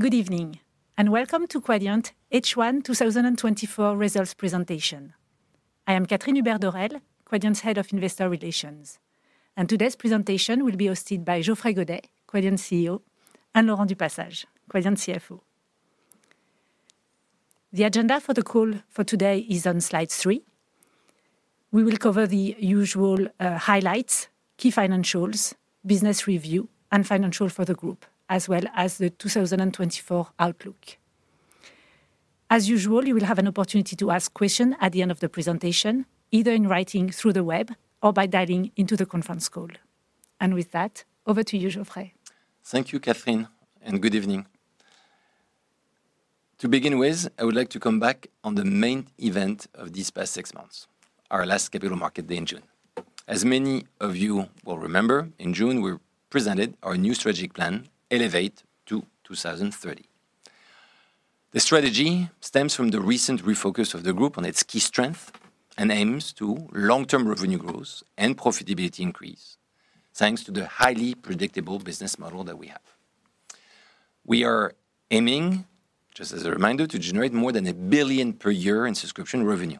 Good evening, and welcome to Quadient H1 2024 Results Presentation. I am Catherine Hubert-Dorel, Quadient's Head of Investor Relations, and today's presentation will be hosted by Geoffrey Godet, Quadient's CEO, and Laurent du Passage, Quadient's CFO. The agenda for the call for today is on slide three. We will cover the usual, highlights, key financials, business review, and financial for the group, as well as the 2024 outlook. As usual, you will have an opportunity to ask question at the end of the presentation, either in writing through the web or by dialing into the conference call. And with that, over to you, Geoffrey. Thank you, Catherine, and good evening. To begin with, I would like to come back on the main event of these past six months, our last Capital Market Day in June. As many of you will remember, in June, we presented our new strategic plan, Elevate to 2030. The strategy stems from the recent refocus of the group on its key strength and aims to long-term revenue growth and profitability increase, thanks to the highly predictable business model that we have. We are aiming, just as a reminder, to generate more than 1 billion per year in subscription revenue.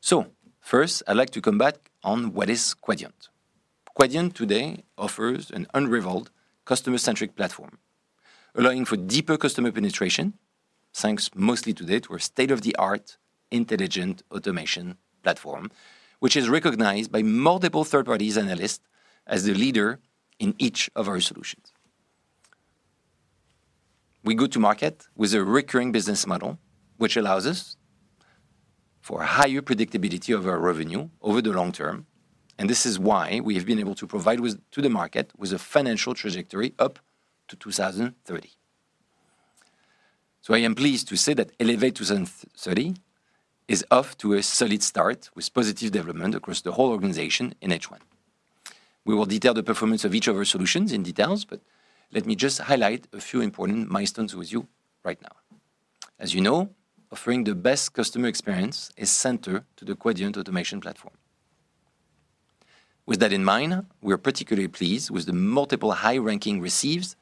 So first, I'd like to come back on what is Quadient. Quadient today offers an unrivaled customer-centric platform, allowing for deeper customer penetration, thanks mostly to it, our state-of-the-art intelligent automation platform, which is recognized by multiple third parties analysts as the leader in each of our solutions. We go to market with a recurring business model, which allows us for higher predictability of our revenue over the long term, and this is why we have been able to provide to the market with a financial trajectory up to 2030. So I am pleased to say that Elevate to 2030 is off to a solid start, with positive development across the whole organization in H1. We will detail the performance of each of our solutions in details, but let me just highlight a few important milestones with you right now. As you know, offering the best customer experience is central to the Quadient automation platform. With that in mind, we are particularly pleased with the multiple high rankings received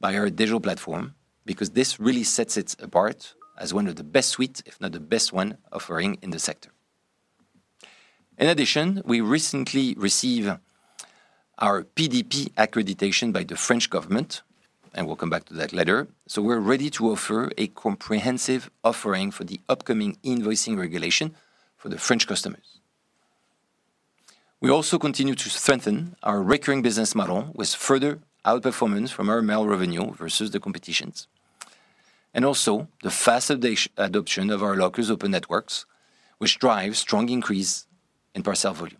by our digital platform, because this really sets it apart as one of the best suites, if not the best one, offering in the sector. In addition, we recently received our PDP accreditation by the French government, and we'll come back to that later. So we're ready to offer a comprehensive offering for the upcoming invoicing regulation for the French customers. We also continue to strengthen our recurring business model with further outperformance from our mail revenue versus the competition, and also the fast adoption of our open network lockers, which drives strong increase in parcel volume.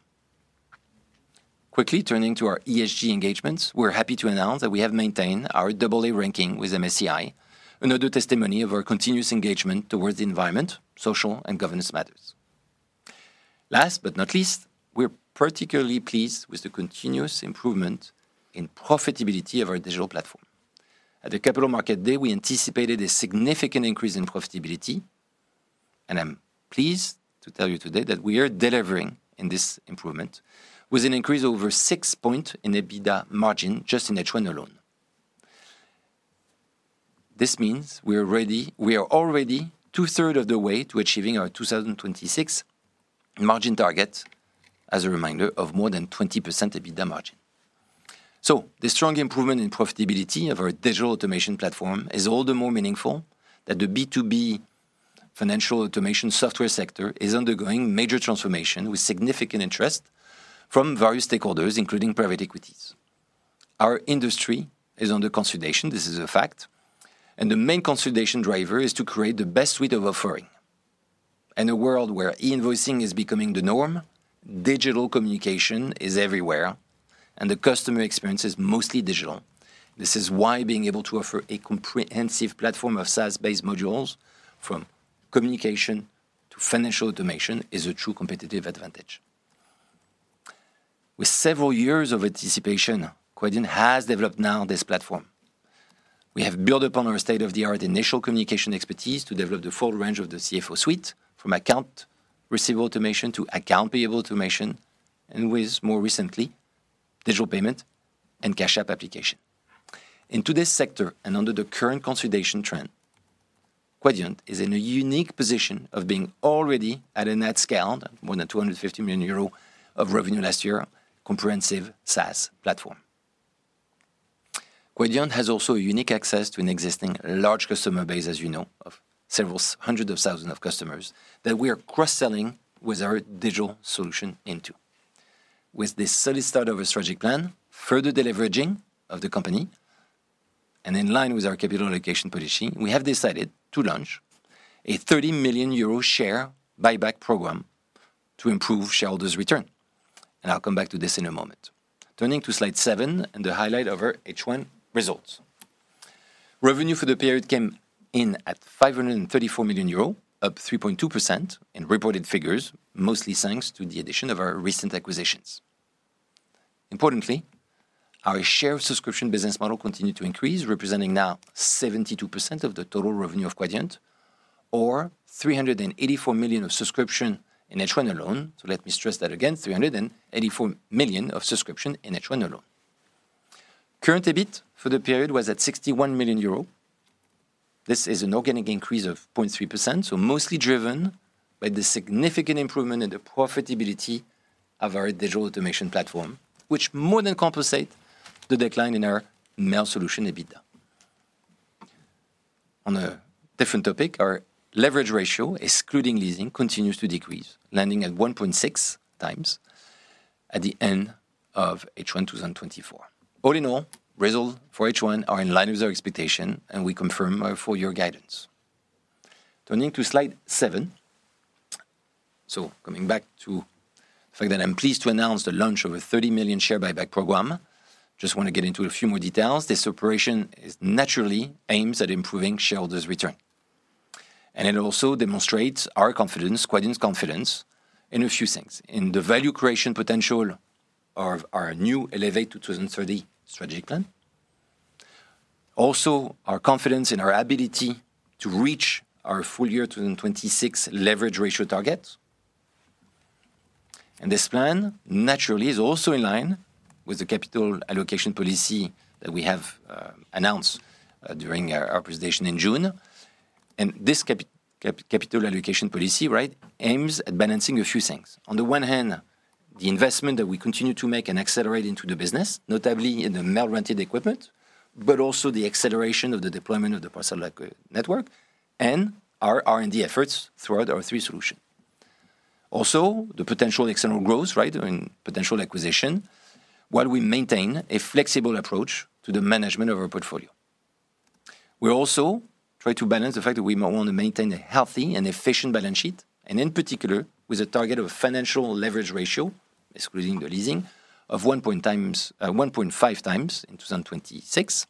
Quickly turning to our ESG engagements, we're happy to announce that we have maintained our double A ranking with MSCI, another testimony of our continuous engagement toward the environment, social, and governance matters. Last but not least, we're particularly pleased with the continuous improvement in profitability of our digital platform. At the Capital Market Day, we anticipated a significant increase in profitability, and I'm pleased to tell you today that we are delivering in this improvement with an increase over six points in EBITDA margin just in H1 alone. This means we are ready... We are already 2/3 of the way to achieving our 2026 margin target, as a reminder, of more than 20% EBITDA margin. So the strong improvement in profitability of our digital automation platform is all the more meaningful that the B2B financial automation software sector is undergoing major transformation with significant interest from various stakeholders, including private equities. Our industry is under consolidation, this is a fact, and the main consolidation driver is to create the best suite of offering. In a world where e-invoicing is becoming the norm, digital communication is everywhere, and the customer experience is mostly digital. This is why being able to offer a comprehensive platform of SaaS-based modules, from communication to financial automation, is a true competitive advantage. With several years of anticipation, Quadient has developed now this platform. We have built upon our state-of-the-art initial communication expertise to develop the full range of the CFO suite, from account receivable automation to account payable automation, and with more recently, digital payment and cash app application. Into this sector and under the current consolidation trend, Quadient is in a unique position of being already at a net scale, more than 250 million euro of revenue last year, comprehensive SaaS platform. Quadient has also a unique access to an existing large customer base, as you know, of several hundreds of thousands of customers that we are cross-selling with our digital solution into. With this solid start of a strategic plan, further deleveraging of the company, and in line with our capital allocation policy, we have decided to launch a 30 million euro share buyback program to improve shareholders' return, and I'll come back to this in a moment. Turning to slide seven and the highlight of our H1 results. Revenue for the period came in at 534 million euro, up 3.2% in reported figures, mostly thanks to the addition of our recent acquisitions. Importantly, our share of subscription business model continued to increase, representing now 72% of the total revenue of Quadient… or 384 million of subscription in H1 alone. So let me stress that again, 384 million of subscription in H1 alone. Current EBIT for the period was at 61 million euro. This is an organic increase of 0.3%, so mostly driven by the significant improvement in the profitability of our digital automation platform, which more than compensate the decline in our mail solution, EBITDA. On a different topic, our leverage ratio, excluding leasing, continues to decrease, landing at 1.6 times at the end of H1 2024. All in all, results for H1 are in line with our expectation, and we confirm our full year guidance. Turning to slide seven. So coming back to the fact that I'm pleased to announce the launch of a 30 million share buyback program. Just want to get into a few more details. This operation is naturally aims at improving shareholders' return, and it also demonstrates our confidence, Quadient's confidence in a few things: in the value creation potential of our new Elevate to 2030 strategic plan. Also, our confidence in our ability to reach our full year 2026 leverage ratio target. And this plan naturally is also in line with the capital allocation policy that we have announced during our presentation in June. And this capital allocation policy, right, aims at balancing a few things. On the one hand, the investment that we continue to make and accelerate into the business, notably in the mail rented equipment, but also the acceleration of the deployment of the parcel network and our R&D efforts throughout our three solutions. Also, the potential external growth, right, and potential acquisition, while we maintain a flexible approach to the management of our portfolio. We also try to balance the fact that we want to maintain a healthy and efficient balance sheet, and in particular, with a target of financial leverage ratio, excluding the leasing of 1.5x in 2026,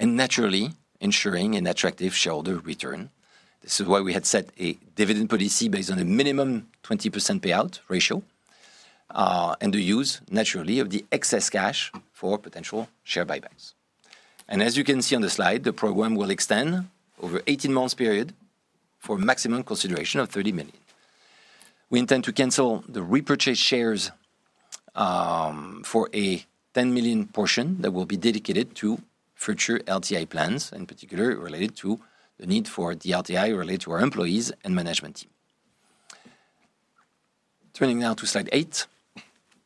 and naturally ensuring an attractive shareholder return. This is why we had set a dividend policy based on a minimum 20% payout ratio, and the use, naturally, of the excess cash for potential share buybacks. As you can see on the slide, the program will extend over 18-month period for maximum consideration of 30 million. We intend to cancel the repurchased shares, for a 10 million portion that will be dedicated to future LTI plans, in particular, related to the need for the LTI related to our employees and management team. Turning now to slide eight,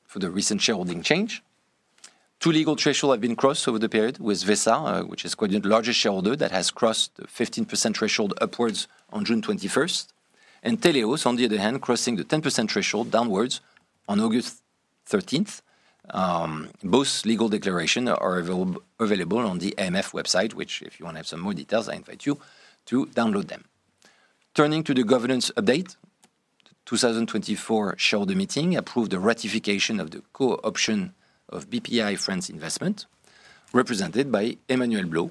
for the recent shareholding change. Two legal threshold have been crossed over the period with Vesa, which is Quadient largest shareholder, that has crossed the 15% threshold upwards on June 21st, and Teleios, on the other hand, crossing the 10% threshold downwards on August 13th. Both legal declaration are available on the AMF website, which if you want to have some more details, I invite you to download them. Turning to the governance update. 2024 shareholder meeting approved the ratification of the co-option of Bpifrance Investissement, represented by Emmanuel Blot,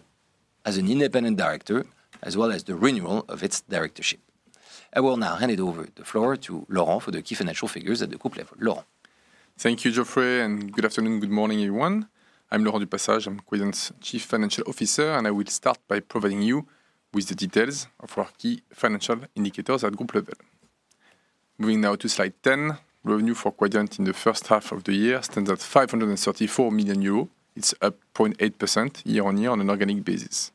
as an independent director, as well as the renewal of its directorship. I will now hand over the floor to Laurent for the key financial figures at the group level. Laurent? Thank you, Geoffrey, and good afternoon, good morning, everyone. I'm Laurent du Passage. I'm Quadient's Chief Financial Officer, and I will start by providing you with the details of our key financial indicators at group level. Moving now to slide 10. Revenue for Quadient in the first half of the year stands at 534 million euros. It's up 0.8% year-on-year on an organic basis.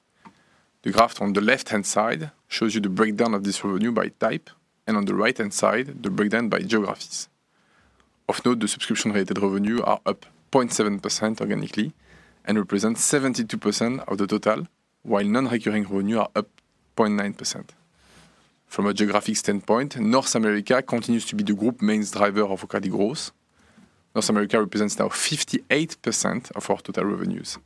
The graph on the left-hand side shows you the breakdown of this revenue by type, and on the right-hand side, the breakdown by geographies. Of note, the subscription-related revenue are up 0.7% organically and represents 72% of the total, while non-recurring revenue are up 0.9%. From a geographic standpoint, North America continues to be the group's main driver of organic growth. North America represents now 58% of our total revenues.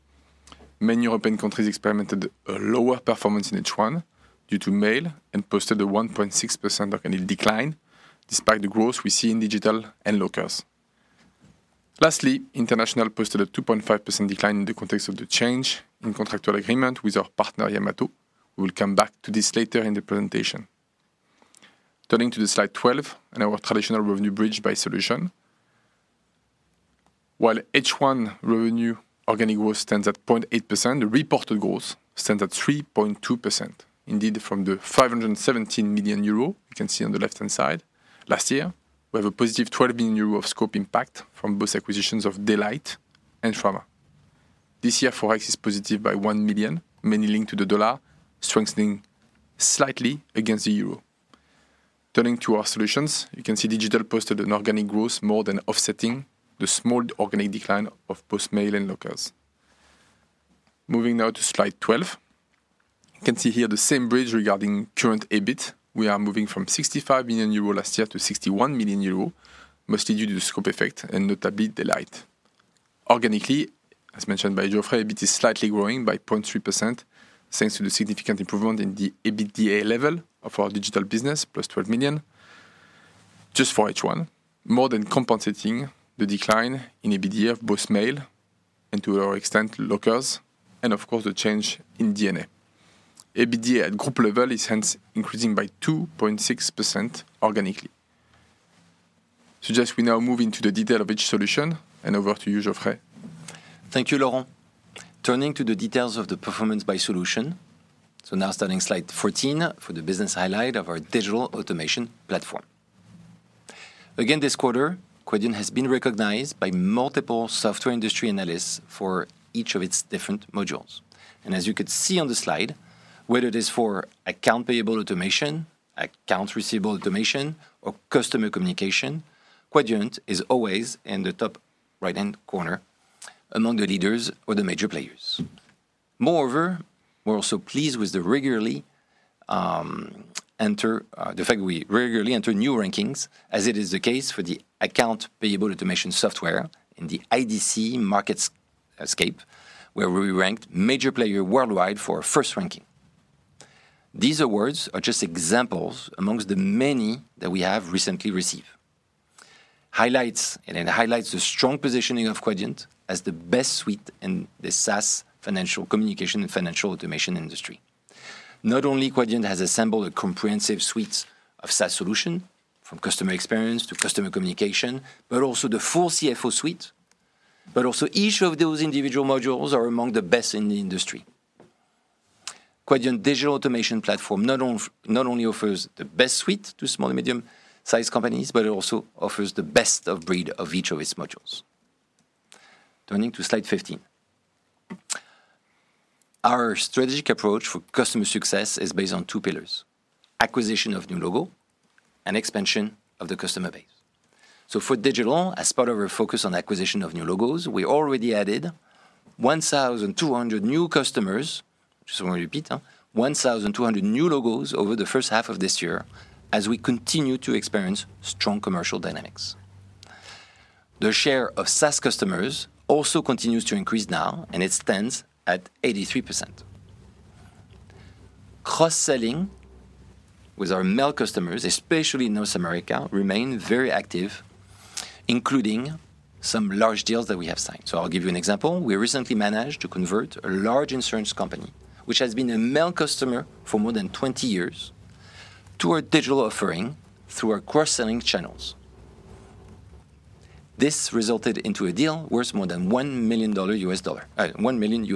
Many European countries experienced a lower performance in H1 due to mail and posted a 1.6% organic decline, despite the growth we see in digital and locals. Lastly, international posted a 2.5% decline in the context of the change in contractual agreement with our partner, Yamato. We will come back to this later in the presentation. Turning to the slide 12, and our traditional revenue bridge by solution. While H1 revenue organic growth stands at 0.8%, the reported growth stands at 3.2%. Indeed, from the 517 million euro you can see on the left-hand side, last year, we have a positive 12 million euro of scope impact from both acquisitions of Daylight and Frama. This year, Forex is positive by 1 million, mainly linked to the dollar, strengthening slightly against the euro. Turning to our solutions, you can see digital posted an organic growth more than offsetting the small organic decline of both mail and lockers. Moving now to slide 12. You can see here the same bridge regarding current EBIT. We are moving from 65 million euro last year to 61 million euro, mostly due to the scope effect and notably Daylight. Organically, as mentioned by Geoffrey, EBIT is slightly growing by 0.3%, thanks to the significant improvement in the EBITDA level of our digital business, +12 million, just for H1, more than compensating the decline in EBITDA of both mail and to a lower extent, lockers, and of course, the change in mix. EBITDA at group level is hence increasing by 2.6% organically. I suggest we now move into the detail of each solution, and over to you, Geoffrey. Thank you, Laurent. Turning to the details of the performance by solution. So now starting slide 14 for the business highlight of our digital automation platform. Again, this quarter, Quadient has been recognized by multiple software industry analysts for each of its different modules. And as you can see on the slide, whether it is for accounts payable automation, accounts receivable automation, or customer communication, Quadient is always in the top right-hand corner among the leaders or the major players. Moreover, we're also pleased with the fact that we regularly enter new rankings, as it is the case for the accounts payable automation software in the IDC MarketScape, where we ranked major player worldwide for our first ranking. These awards are just examples amongst the many that we have recently received. Highlights... It highlights the strong positioning of Quadient as the best suite in the SaaS financial communication and financial automation industry. Not only Quadient has assembled a comprehensive suites of SaaS solution, from customer experience to customer communication, but also the full CFO suite, but also each of those individual modules are among the best in the industry. Quadient Digital Automation Platform not only offers the best suite to small and medium-sized companies, but it also offers the best of breed of each of its modules. Turning to slide 15. Our strategic approach for customer success is based on two pillars: acquisition of new logo and expansion of the customer base. So for digital, as part of our focus on acquisition of new logos, we already added 1,200 new customers, just want to repeat, 1,200 new logos over the first half of this year, as we continue to experience strong commercial dynamics. The share of SaaS customers also continues to increase now, and it stands at 83%. Cross-selling with our mail customers, especially in North America, remain very active, including some large deals that we have signed. So I'll give you an example. We recently managed to convert a large insurance company, which has been a mail customer for more than 20 years, to our digital offering through our cross-selling channels. This resulted into a deal worth more than $1 million, $1 million.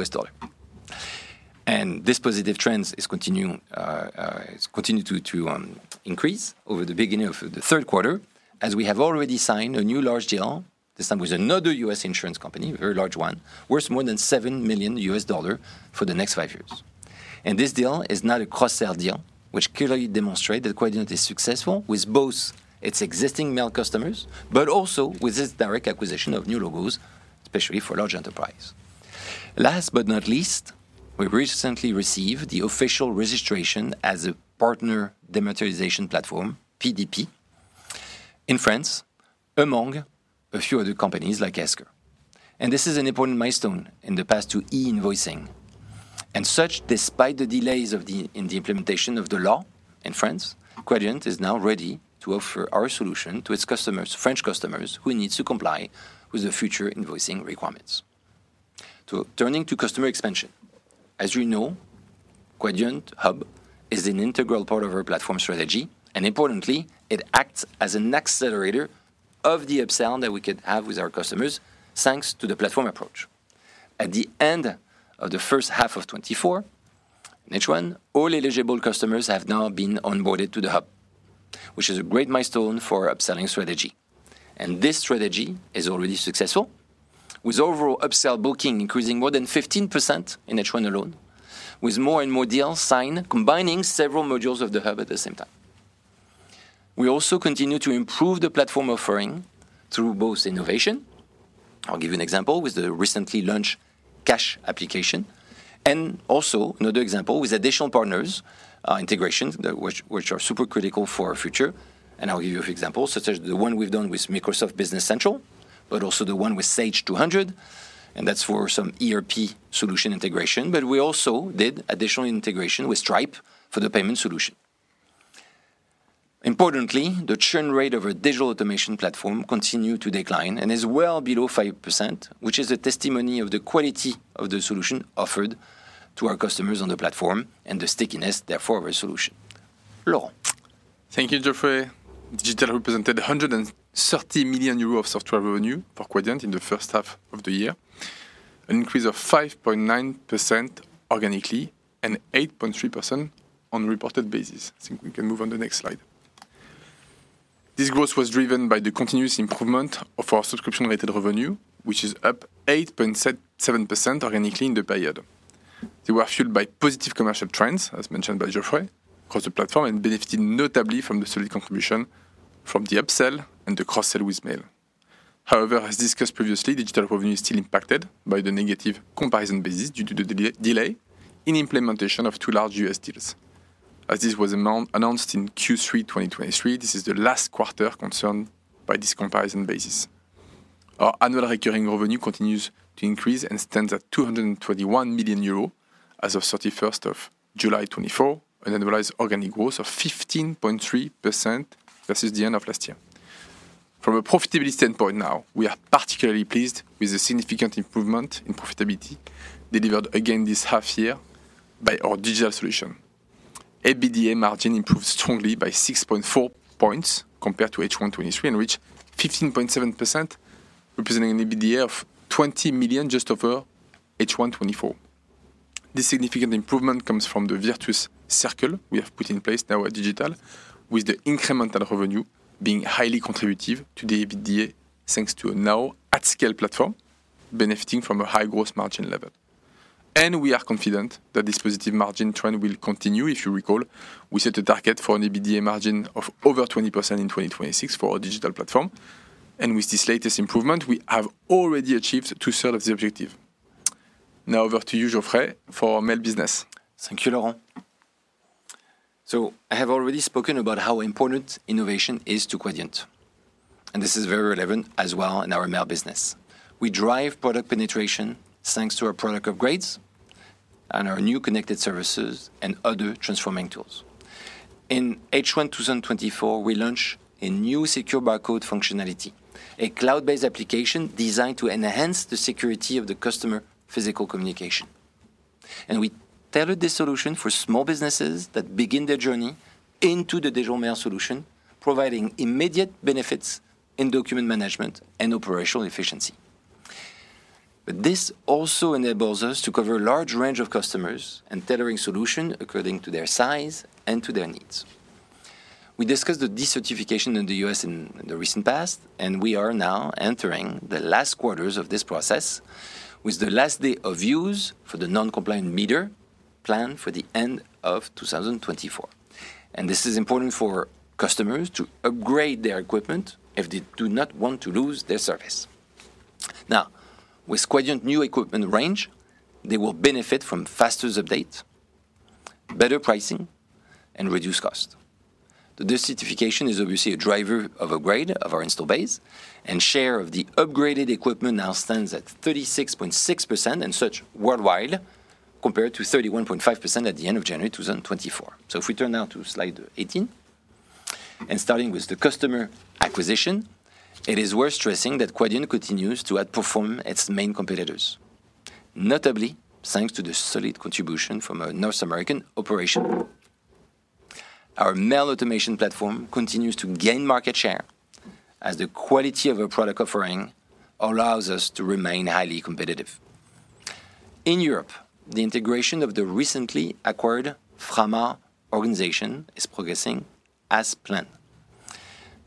This positive trends is continuing to increase over the beginning of the third quarter, as we have already signed a new large deal, this time with another U.S. insurance company, a very large one, worth more than $7 million for the next five years. This deal is not a cross-sell deal, which clearly demonstrate that Quadient is successful with both its existing mail customers, but also with its direct acquisition of new logos, especially for large enterprise. Last but not least, we recently received the official registration as a partner dematerialization platform, PDP, in France, among a few other companies like Esker. This is an important milestone in the path to e-invoicing. As such, despite the delays in the implementation of the law in France, Quadient is now ready to offer our solution to its customers, French customers, who needs to comply with the future invoicing requirements. Turning to customer expansion. As you know, Quadient Hub is an integral part of our platform strategy, and importantly, it acts as an accelerator of the upsell that we can have with our customers, thanks to the platform approach. At the end of the first half of 2024, H1, all eligible customers have now been onboarded to the Hub, which is a great milestone for our upselling strategy. This strategy is already successful, with overall upsell booking increasing more than 15% in H1 alone, with more and more deals signed, combining several modules of the Hub at the same time. We also continue to improve the platform offering through both innovation. I'll give you an example, with the recently launched cash application, and also another example with additional partners integrations, which are super critical for our future. And I'll give you examples, such as the one we've done with Microsoft Business Central, but also the one with Sage 200, and that's for some ERP solution integration. But we also did additional integration with Stripe for the payment solution. Importantly, the churn rate of our Digital Automation Platform continues to decline and is well below 5%, which is a testimony of the quality of the solution offered to our customers on the platform and the stickiness, therefore, of our solution. Laurent? Thank you, Geoffrey. Digital represented 130 million euros of software revenue for Quadient in the first half of the year, an increase of 5.9% organically and 8.3% on reported basis. I think we can move on the next slide. This growth was driven by the continuous improvement of our subscription-related revenue, which is up 8.7% organically in the period. They were fueled by positive commercial trends, as mentioned by Geoffrey, across the platform, and benefited notably from the solid contribution from the upsell and the cross-sell with mail. However, as discussed previously, digital revenue is still impacted by the negative comparison basis due to the delay in implementation of two large U.S. deals. As this was announced in Q3 2023, this is the last quarter concerned by this comparison basis. Our annual recurring revenue continues to increase and stands at 221 million euros as of July 31, 2024, an annualized organic growth of 15.3% versus the end of last year. From a profitability standpoint now, we are particularly pleased with the significant improvement in profitability delivered again this half year by our digital solution. EBITDA margin improved strongly by 6.4 points compared to H1 2023, and reached 15.7%, representing an EBITDA of 20 million, just over H1 2024. This significant improvement comes from the virtuous circle we have put in place in our digital, with the incremental revenue being highly contributive to the EBITDA, thanks to a now at-scale platform, benefiting from a high growth margin level. We are confident that this positive margin trend will continue. If you recall, we set a target for an EBITDA margin of over 20% in 2026 for our digital platform, and with this latest improvement, we have already achieved 2/3 of the objective. Now over to you, Geoffrey, for our mail business. Thank you, Laurent. I have already spoken about how important innovation is to Quadient, and this is very relevant as well in our mail business. We drive product penetration, thanks to our product upgrades and our new connected services and other transforming tools. In H1 2024, we launched a new secure barcode functionality, a cloud-based application designed to enhance the security of the customer physical communication, and we tailored this solution for small businesses that begin their journey into the digital mail solution, providing immediate benefits in document management and operational efficiency, but this also enables us to cover a large range of customers and tailoring solution according to their size and to their needs. We discussed the decertification in the U.S. in the recent past, and we are now entering the last quarters of this process, with the last day of use for the non-compliant meter planned for the end of 2024. And this is important for customers to upgrade their equipment if they do not want to lose their service. Now, with Quadient new equipment range, they will benefit from faster updates, better pricing, and reduced cost. The decertification is obviously a driver of upgrade of our install base, and share of the upgraded equipment now stands at 36.6% such worldwide, compared to 31.5% at the end of January, 2024. So if we turn now to slide 18, and starting with the customer acquisition, it is worth stressing that Quadient continues to outperform its main competitors, notably thanks to the solid contribution from our North American operation. Our mail automation platform continues to gain market share, as the quality of our product offering allows us to remain highly competitive. In Europe, the integration of the recently acquired Frama organization is progressing as planned.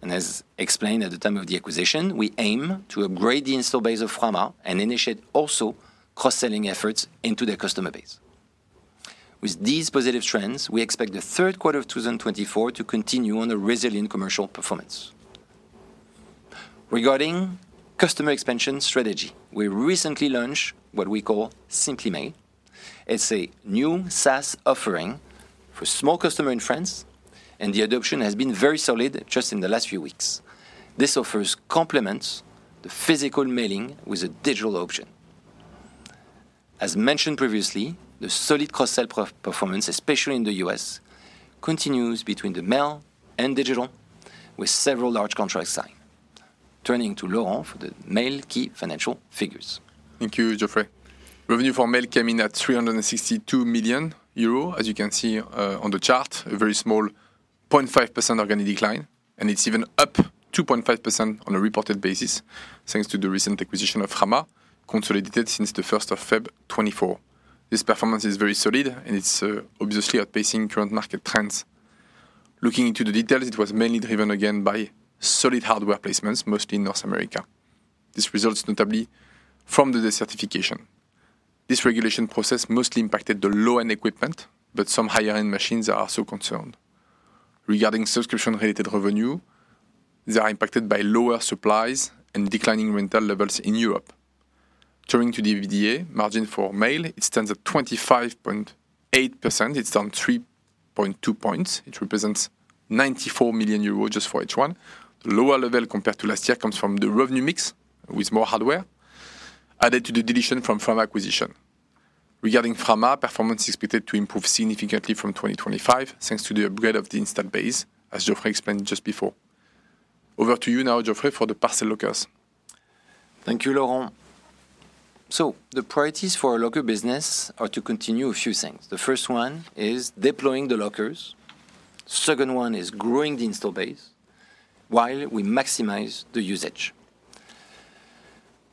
And as explained at the time of the acquisition, we aim to upgrade the installed base of Frama and initiate also cross-selling efforts into their customer base. With these positive trends, we expect the third quarter of 2024 to continue on a resilient commercial performance. Regarding customer expansion strategy, we recently launched what we call SimplyMail. It's a new SaaS offering for small customers in France, and the adoption has been very solid just in the last few weeks. This offering complements the physical mailing with a digital option. As mentioned previously, the solid cross-sell performance, especially in the U.S., continues between the mail and digital, with several large contracts signed. Turning to Laurent for the Mail key financial figures. Thank you, Geoffrey. Revenue for mail came in at 362 million euros. As you can see on the chart, a very small 0.5% organic decline, and it's even up 2.5% on a reported basis, thanks to the recent acquisition of Frama, consolidated since the first of February 2024. This performance is very solid, and it's obviously outpacing current market trends. Looking into the details, it was mainly driven again by solid hardware placements, mostly in North America. This results notably from the decertification. This regulation process mostly impacted the low-end equipment, but some higher-end machines are also concerned. Regarding subscription-related revenue, they are impacted by lower supplies and declining rental levels in Europe. Turning to the EBITDA margin for mail, it stands at 25.8%. It's down 3.2 points. It represents 94 million euros just for H1. The lower level compared to last year comes from the revenue mix, with more hardware, added to the dilution from Frama acquisition. Regarding Frama, performance is expected to improve significantly from 2025, thanks to the upgrade of the install base, as Geoffrey explained just before. Over to you now, Geoffrey, for the parcel lockers. Thank you, Laurent. So the priorities for our locker business are to continue a few things. The first one is deploying the lockers. Second one is growing the install base, while we maximize the usage.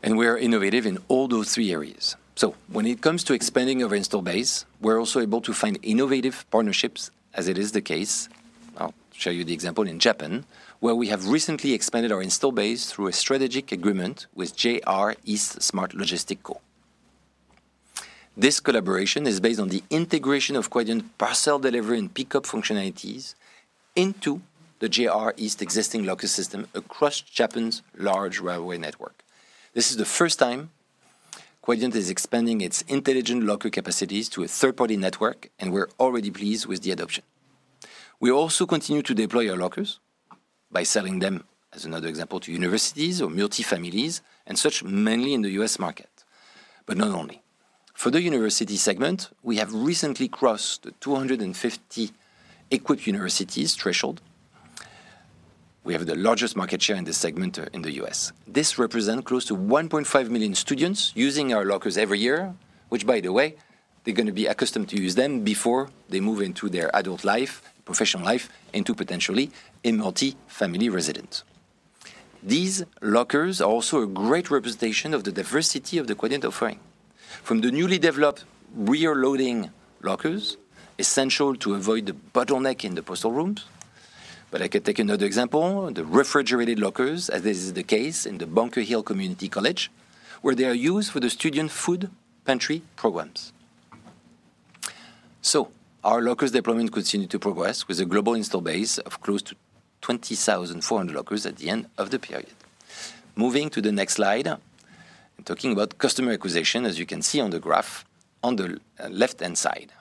And we are innovative in all those three areas. So when it comes to expanding our install base, we're also able to find innovative partnerships, as it is the case. I'll show you the example in Japan, where we have recently expanded our install base through a strategic agreement with JR East Smart Logistics Co. This collaboration is based on the integration of Quadient parcel delivery and pickup functionalities into the JR East existing locker system across Japan's large railway network. This is the first time Quadient is expanding its intelligent locker capacities to a third-party network, and we're already pleased with the adoption. We also continue to deploy our lockers by selling them, as another example, to universities or multi-families, and such, mainly in the U.S. market, but not only. For the university segment, we have recently crossed the 250 equipped universities threshold. We have the largest market share in this segment in the U.S. This represent close to 1.5 million students using our lockers every year, which, by the way, they're gonna be accustomed to use them before they move into their adult life, professional life, into potentially a multi-family residence. These lockers are also a great representation of the diversity of the Quadient offering. From the newly developed rear-loading lockers, essential to avoid the bottleneck in the postal rooms. But I could take another example, the refrigerated lockers, as this is the case in the Bunker Hill Community College, where they are used for the student food pantry programs. So our lockers deployment continued to progress with a global installed base of close to twenty thousand four hundred lockers at the end of the period. Moving to the next slide, I'm talking about customer acquisition. As you can see on the graph on the left-hand side,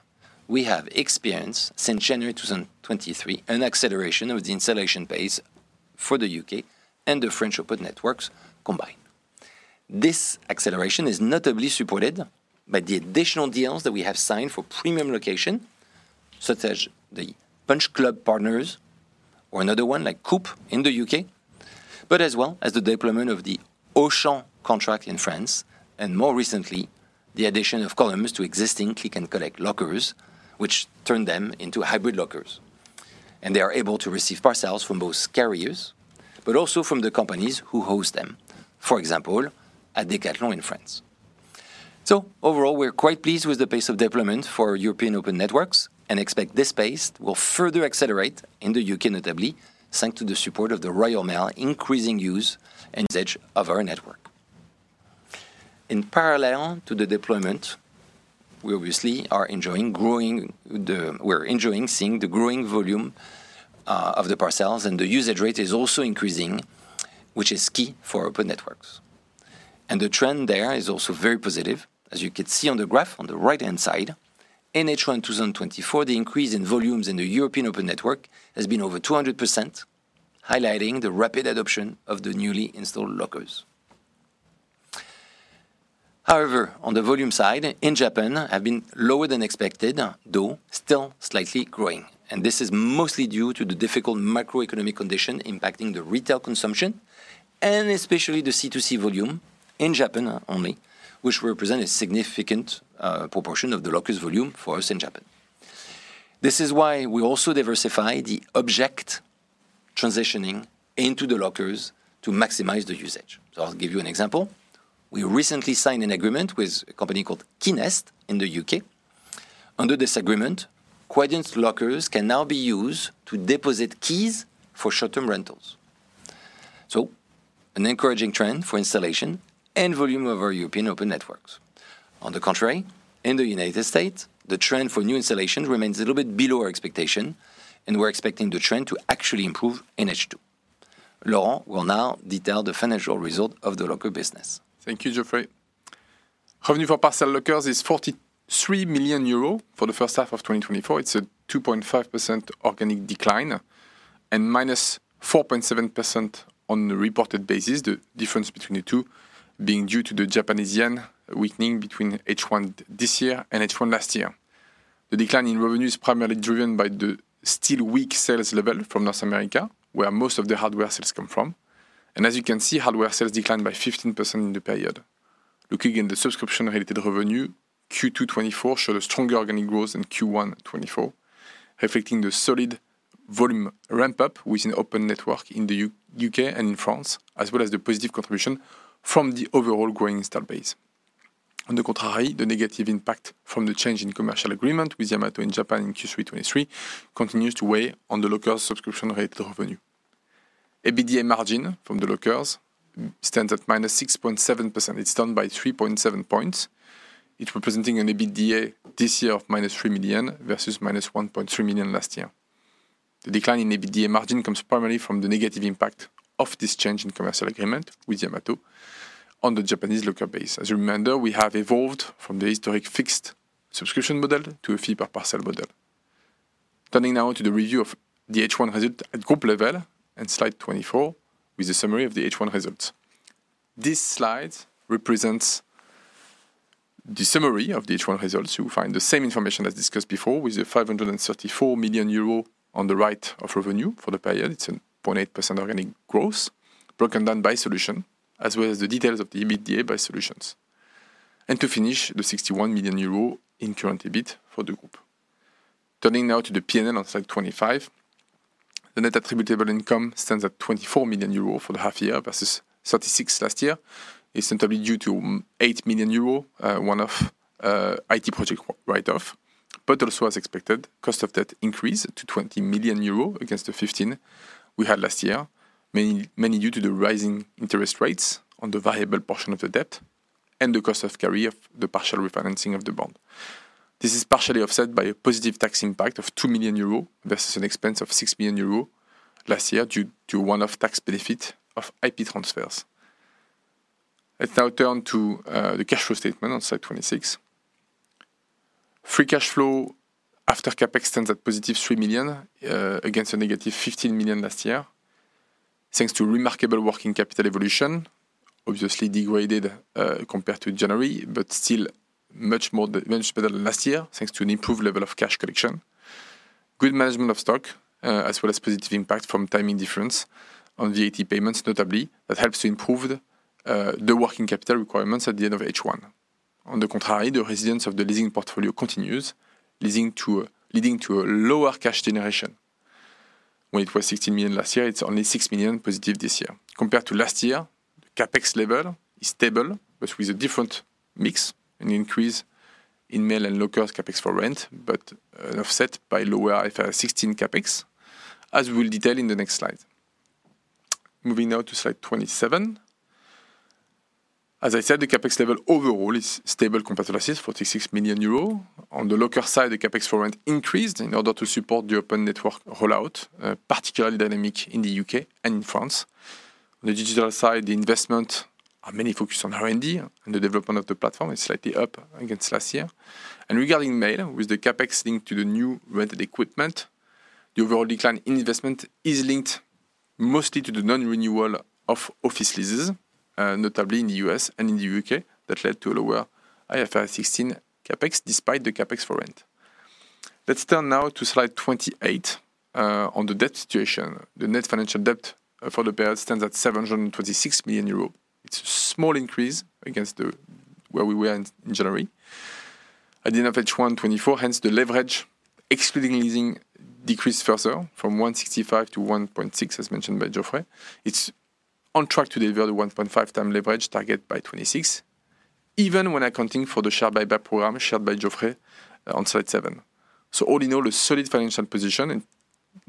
we have experienced, since January 2023, an acceleration of the installed base for the U.K. and the French Open Networks combined. This acceleration is notably supported by the additional deals that we have signed for premium location, such as the Punch Pubs partners or another one, like Co-op in the U.K., but as well as the deployment of the Auchan contract in France, and more recently, the addition of columns to existing click and collect lockers, which turn them into hybrid lockers, and they are able to receive parcels from those carriers, but also from the companies who host them. For example, at Decathlon in France, so overall, we're quite pleased with the pace of deployment for European Open Networks and expect this pace will further accelerate in the U.K., notably, thanks to the support of the Royal Mail, increasing use and usage of our network. In parallel to the deployment, we obviously are enjoying growing the... We're enjoying seeing the growing volume of the parcels, and the usage rate is also increasing, which is key for Open Networks. And the trend there is also very positive. As you can see on the graph, on the right-hand side, in H1 2024, the increase in volumes in the European Open Network has been over 200%, highlighting the rapid adoption of the newly installed lockers. However, on the volume side, in Japan, have been lower than expected, though still slightly growing, and this is mostly due to the difficult macroeconomic condition impacting the retail consumption and especially the C2C volume in Japan only, which represent a significant proportion of the lockers volume for us in Japan. This is why we also diversify the object transitioning into the lockers to maximize the usage. So I'll give you an example. We recently signed an agreement with a company called KeyNest in the U.K. Under this agreement, Quadient lockers can now be used to deposit keys for short-term rentals. This represents an encouraging trend for installation and volume of our European Open Networks. On the contrary, in the United States, the trend for new installation remains a little bit below our expectation, and we're expecting the trend to actually improve in H2. Laurent will now detail the financial result of the locker business. Thank you, Geoffrey. Revenue for parcel lockers is 43 million euros for the first half of 2024. It's a 2.5% organic decline and -4.7% on the reported basis, the difference between the two being due to the Japanese yen weakening between H1 this year and H1 last year. The decline in revenue is primarily driven by the still weak sales level from North America, where most of the hardware sales come from, and as you can see, hardware sales declined by 15% in the period. Looking in the subscription-related revenue, Q2 2024 showed a stronger organic growth than Q1 2024, affecting the solid volume ramp-up within Open Network in the U.K. and in France, as well as the positive contribution from the overall growing install base. On the contrary, the negative impact from the change in commercial agreement with Yamato in Japan in Q3 2023 continues to weigh on the local subscription-related revenue. EBITDA margin from the lockers stands at -6.7%. It's down by 3.7 points. It's representing an EBITDA this year of -3 million versus -1.3 million last year. The decline in EBITDA margin comes primarily from the negative impact of this change in commercial agreement with Yamato on the Japanese locker base. As a reminder, we have evolved from the historic fixed subscription model to a fee-per-parcel model. Turning now to the review of the H1 result at group level and slide 24, with a summary of the H1 results. This slide represents the summary of the H1 results. You will find the same information as discussed before, with 534 million euro of revenue for the period. It's 0.8% organic growth, broken down by solution, as well as the details of the EBITDA by solutions. And to finish, 61 million euro in current EBIT for the group. Turning now to the P&L on slide 25. The net attributable income stands at 24 million euros for the half year versus 36 million last year. It's entirely due to 8 million euros one-off IT project write-off, but also, as expected, cost of debt increased to 20 million euro against the 15 million we had last year. Mainly due to the rising interest rates on the variable portion of the debt and the cost of carry of the partial refinancing of the bond. This is partially offset by a positive tax impact of 2 million euros versus an expense of 6 million euros last year, due to one-off tax benefit of IP transfers. Let's now turn to the cash flow statement on slide 26. Free cash flow after CapEx stands at positive 3 million against a negative 15 million last year, thanks to remarkable working capital evolution, obviously degraded compared to January, but still much better than last year, thanks to an improved level of cash collection. Good management of stock, as well as positive impact from timing difference on VAT payments, notably, that helps to improve the working capital requirements at the end of H1. On the contrary, the resilience of the leasing portfolio continues, leading to a lower cash generation. When it was sixteen million last year, it's only six million positive this year. Compared to last year, CapEx level is stable, but with a different mix and increase in mail and local CapEx for rent, but offset by lower IFRS 16 CapEx, as we will detail in the next slide. Moving now to slide 27. As I said, the CapEx level overall is stable compared to last year's 46 million euros. On the local side, the CapEx for rent increased in order to support the open network rollout, particularly dynamic in the U.K. and in France. On the digital side, the investment are mainly focused on R&D, and the development of the platform is slightly up against last year. Regarding mail, with the CapEx linked to the new rented equipment, the overall decline in investment is linked mostly to the non-renewal of office leases, notably in the U.S. and in the U.K. That led to a lower IFRS 16 CapEx, despite the CapEx for rent. Let's turn now to slide 28. On the debt situation. The net financial debt for the period stands at 726 million euros. It's a small increase against where we were in January. At the end of H1 2024, hence the leverage, excluding leasing, decreased further from 1.65 to 1.6, as mentioned by Geoffrey. It's on track to deliver the 1.5x leverage target by 2026, even when accounting for the share buyback program shared by Geoffrey on slide seven. So all in all, a solid financial position.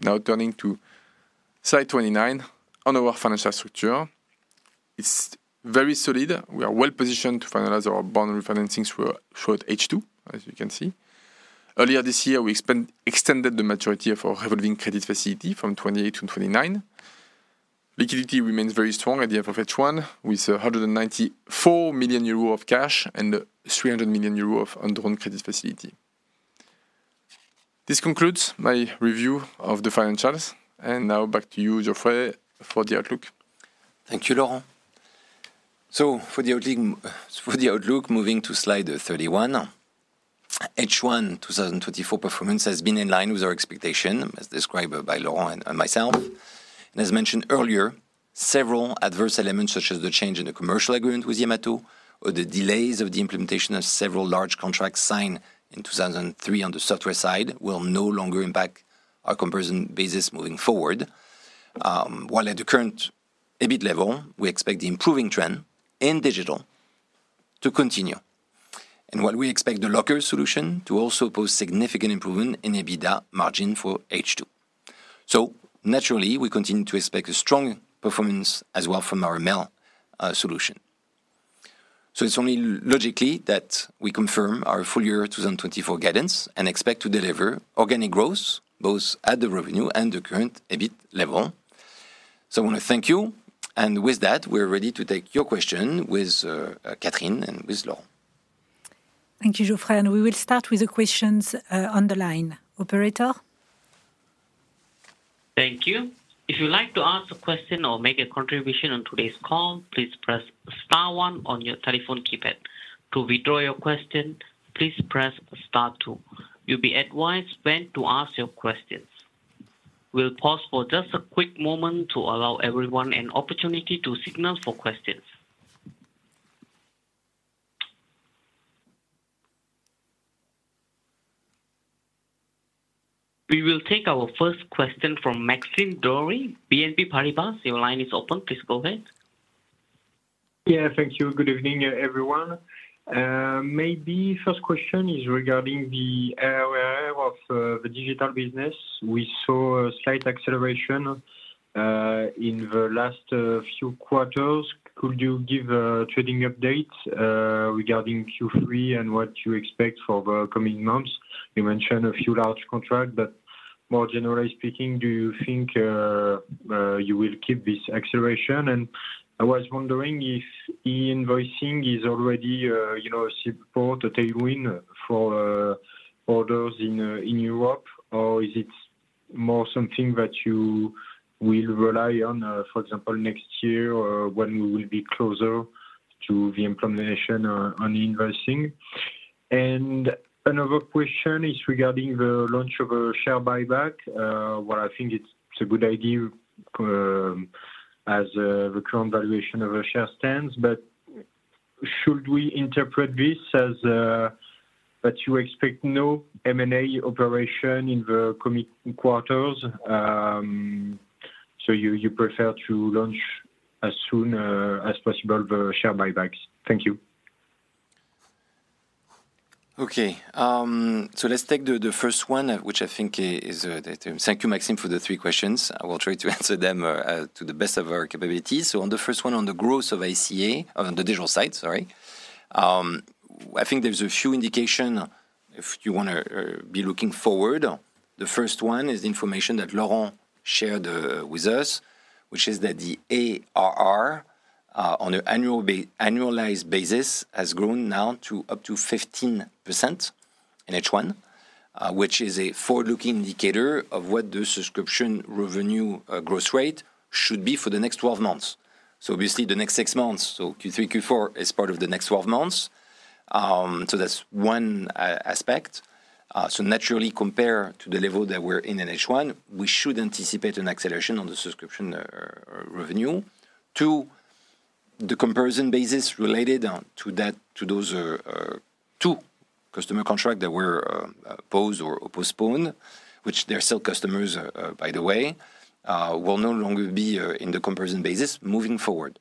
Now turning to slide 29, on our financial structure. It's very solid. We are well positioned to finalize our bond refinancing through H2, as you can see. Earlier this year, we extended the maturity of our revolving credit facility from 2028 to 2029. Liquidity remains very strong at the end of H1, with 194 million euros of cash and 300 million euros of undrawn credit facility. This concludes my review of the financials, and now back to you, Geoffrey, for the outlook. Thank you, Laurent, so for the outlook, moving to slide 31. H1, 2024 performance has been in line with our expectation, as described by Laurent and myself, and as mentioned earlier, several adverse elements, such as the change in the commercial agreement with Yamato or the delays of the implementation of several large contracts signed in 2023 on the software side, will no longer impact our comparison basis moving forward. While at the current EBIT level, we expect the improving trend in digital to continue, and while we expect the locker solution to also pose significant improvement in EBITDA margin for H2, so naturally, we continue to expect a strong performance as well from our mail solution. It's only logical that we confirm our full year 2024 guidance and expect to deliver organic growth both at the revenue and the current EBIT level. I wanna thank you, and with that, we're ready to take your question with Catherine and with Laurent. Thank you, Geoffrey. We will start with the questions on the line. Operator? Thank you. If you'd like to ask a question or make a contribution on today's call, please press star one on your telephone keypad. To withdraw your question, please press star two. You'll be advised when to ask your questions. We'll pause for just a quick moment to allow everyone an opportunity to signal for questions. We will take our first question from Maxime Dory, BNP Paribas. Your line is open. Please go ahead. Yeah, thank you. Good evening, everyone. Maybe first question is regarding the ARR of the digital business. We saw a slight acceleration in the last few quarters. Could you give a trading update regarding Q3 and what you expect for the coming months? You mentioned a few large contract, but more generally speaking, do you think you will keep this acceleration? And I was wondering if e-invoicing is already, you know, a support, a tailwind for orders in in Europe, or is it more something that you will rely on, for example, next year or when we will be closer to the implementation on, on the invoicing? And another question is regarding the launch of a share buyback. Well, I think it's a good idea, as the current valuation of a share stands, but should we interpret this as that you expect no M&A operation in the coming quarters? So you prefer to launch as soon as possible, the share buybacks. Thank you. Okay, so let's take the first one, which I think is the... Thank you, Maxime, for the three questions. I will try to answer them to the best of our capabilities. So on the first one, on the growth of ACA, on the digital side, sorry. I think there's a few indication if you wanna be looking forward. The first one is the information that Laurent shared with us, which is that the ARR on an annualized basis has grown now to up to 15% in H1, which is a forward-looking indicator of what the subscription revenue growth rate should be for the next twelve months. So obviously the next six months, so Q3, Q4, is part of the next twelve months. So that's one aspect. So naturally, compare to the level that we're in, in H1, we should anticipate an acceleration on the subscription revenue. Two, the comparison basis related to that, to those two customer contract that were paused or postponed, which they're still customers, by the way, will no longer be in the comparison basis moving forward.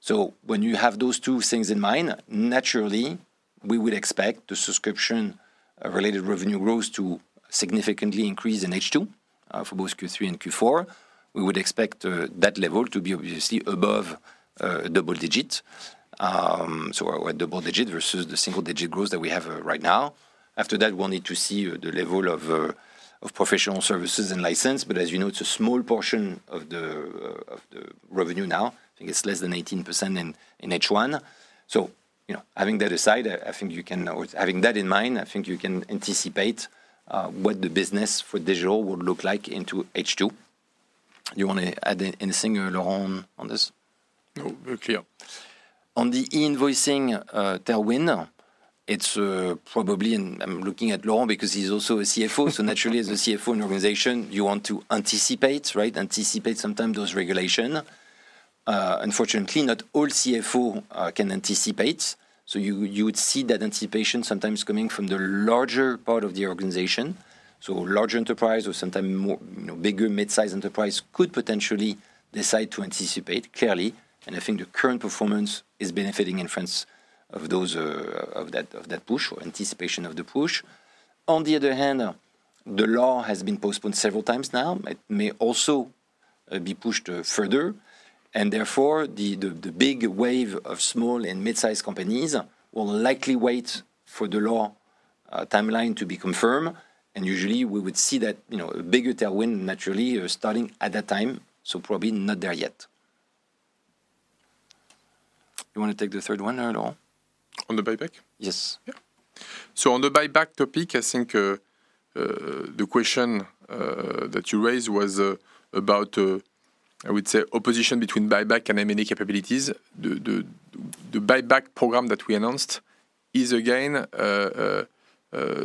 So when you have those two things in mind, naturally, we would expect the subscription related revenue growth to significantly increase in H2 for both Q3 and Q4. We would expect that level to be obviously above double digit. So a double digit versus the single digit growth that we have right now. After that, we'll need to see the level of professional services and license, but as you know, it's a small portion of the revenue now. I think it's less than 18% in H1. So, you know, having that in mind, I think you can anticipate what the business for digital would look like into H2. You wanna add anything, Laurent, on this? No, we're clear. On the e-invoicing tailwind, it's probably, and I'm looking at Laurent because he's also a CFO. So naturally, as a CFO in organization, you want to anticipate, right? Anticipate sometimes those regulation. Unfortunately, not all CFO can anticipate, so you would see that anticipation sometimes coming from the larger part of the organization. So large enterprise or sometime more, you know, bigger mid-size enterprise could potentially decide to anticipate, clearly, and I think the current performance is benefiting in terms of those of that push or anticipation of the push. On the other hand, the law has been postponed several times now. It may also be pushed further, and therefore the big wave of small and mid-sized companies will likely wait for the law timeline to be confirmed. Usually we would see that, you know, a bigger tailwind naturally, starting at that time, so probably not there yet. You want to take the third one or Laurent? On the buyback? Yes. Yeah. So on the buyback topic, I think, the question that you raised was about, I would say opposition between buyback and M&A capabilities. The buyback program that we announced is again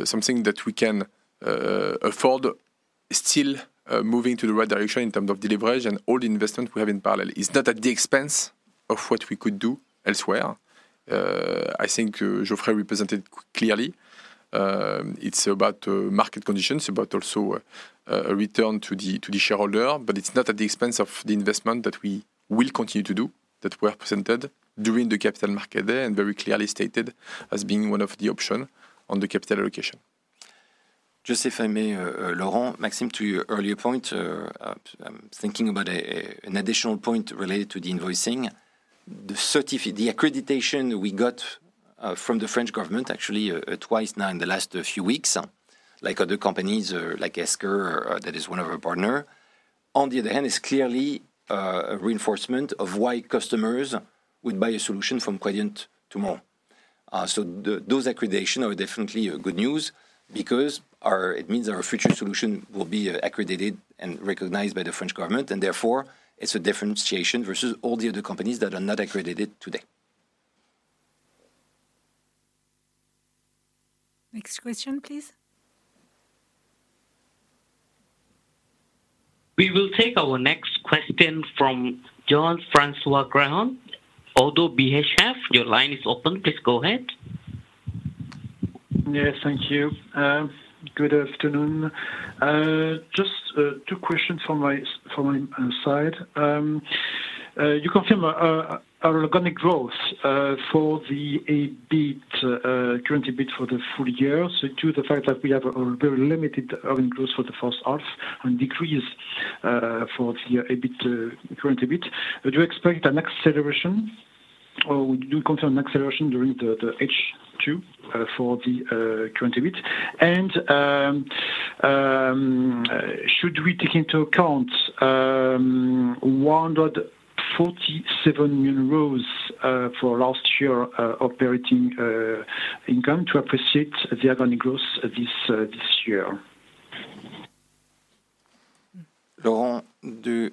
something that we can afford, still moving to the right direction in terms of delivery and all the investment we have in parallel. It's not at the expense of what we could do elsewhere. I think Geoffrey represented clearly. It's about market conditions, about also a return to the shareholder, but it's not at the expense of the investment that we will continue to do, that were presented during the capital market day, and very clearly stated as being one of the option on the capital allocation. Just if I may, Laurent, Maxime, to your earlier point, I'm thinking about an additional point related to the invoicing. The accreditation we got from the French government, actually, twice now in the last few weeks, like other companies, like Esker, that is one of our partner. On the other hand, it's clearly a reinforcement of why customers would buy a solution from Quadient tomorrow. So those accreditation are definitely good news because it means our future solution will be accredited and recognized by the French government, and therefore, it's a differentiation versus all the other companies that are not accredited today. Next question, please. We will take our next question from Jean-François Granjon, Oddo BHF. Your line is open. Please go ahead. Yes, thank you. Good afternoon. Just two questions from my side. You confirm our organic growth for the EBIT, current EBIT for the full year. So due to the fact that we have a very limited organic growth for the first half and decrease for the EBIT, current EBIT. Do you expect an acceleration, or do you consider an acceleration during the H2 for the current EBIT? And should we take into account 147 million euros for last year operating income to appreciate the organic growth this year? Laurent,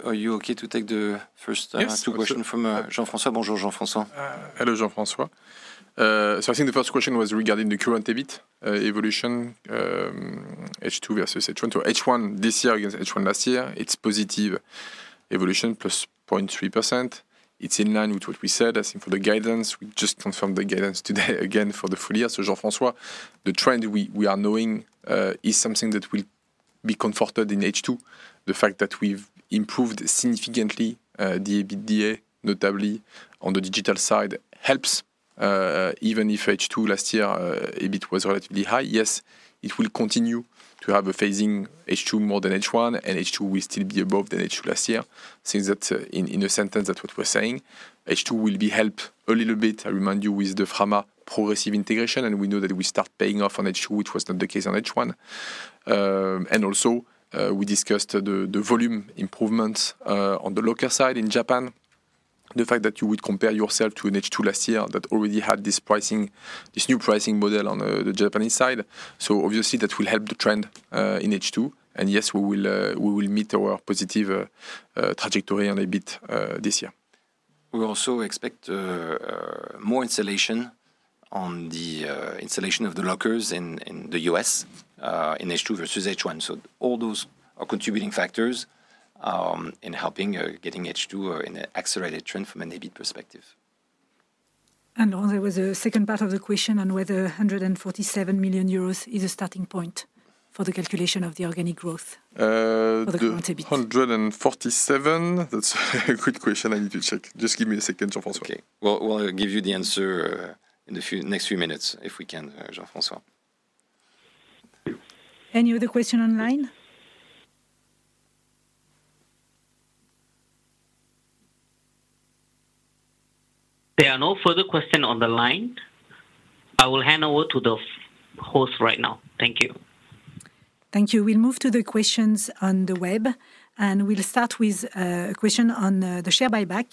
are you okay to take the first? Yes... two questions from Jean-François Granjon? Bonjour, Jean-François Granjon. Hello, Jean-François. So I think the first question was regarding the current EBIT evolution, H2 versus H1. So H1 this year against H1 last year, it's positive evolution, +0.3%. It's in line with what we said. As for the guidance, we just confirmed the guidance today again for the full year. So Jean-François, the trend we are knowing is something that will be comforted in H2. The fact that we've improved significantly the EBITDA, notably on the digital side, helps even if H2 last year EBIT was relatively high. Yes, it will continue to have a phasing H2 more than H1, and H2 will still be above than H2 last year. Since that, in a sentence, that's what we're saying. H2 will be helped a little bit, I remind you, with the Frama progressive integration, and we know that we start paying off on H2, which was not the case on H1. And also, we discussed the volume improvements on the local side in Japan, the fact that you would compare yourself to an H2 last year that already had this pricing, this new pricing model on the Japanese side. So obviously, that will help the trend in H2. And yes, we will meet our positive trajectory and EBIT this year. We also expect more installation of the lockers in the U.S. in H2 versus H1. So all those are contributing factors in helping getting H2 in an accelerated trend from an EBIT perspective. Laurent, there was a second part of the question on whether 147 million euros is a starting point for the calculation of the organic growth for the current EBIT? The hundred and forty-seven, that's a quick question I need to check. Just give me a second, Jean-François. Okay. We'll give you the answer in the next few minutes, if we can, Jean-François. Thank you. Any other question online? There are no further questions on the line. I will hand over to the host right now. Thank you. Thank you. We'll move to the questions on the web, and we'll start with a question on the share buyback.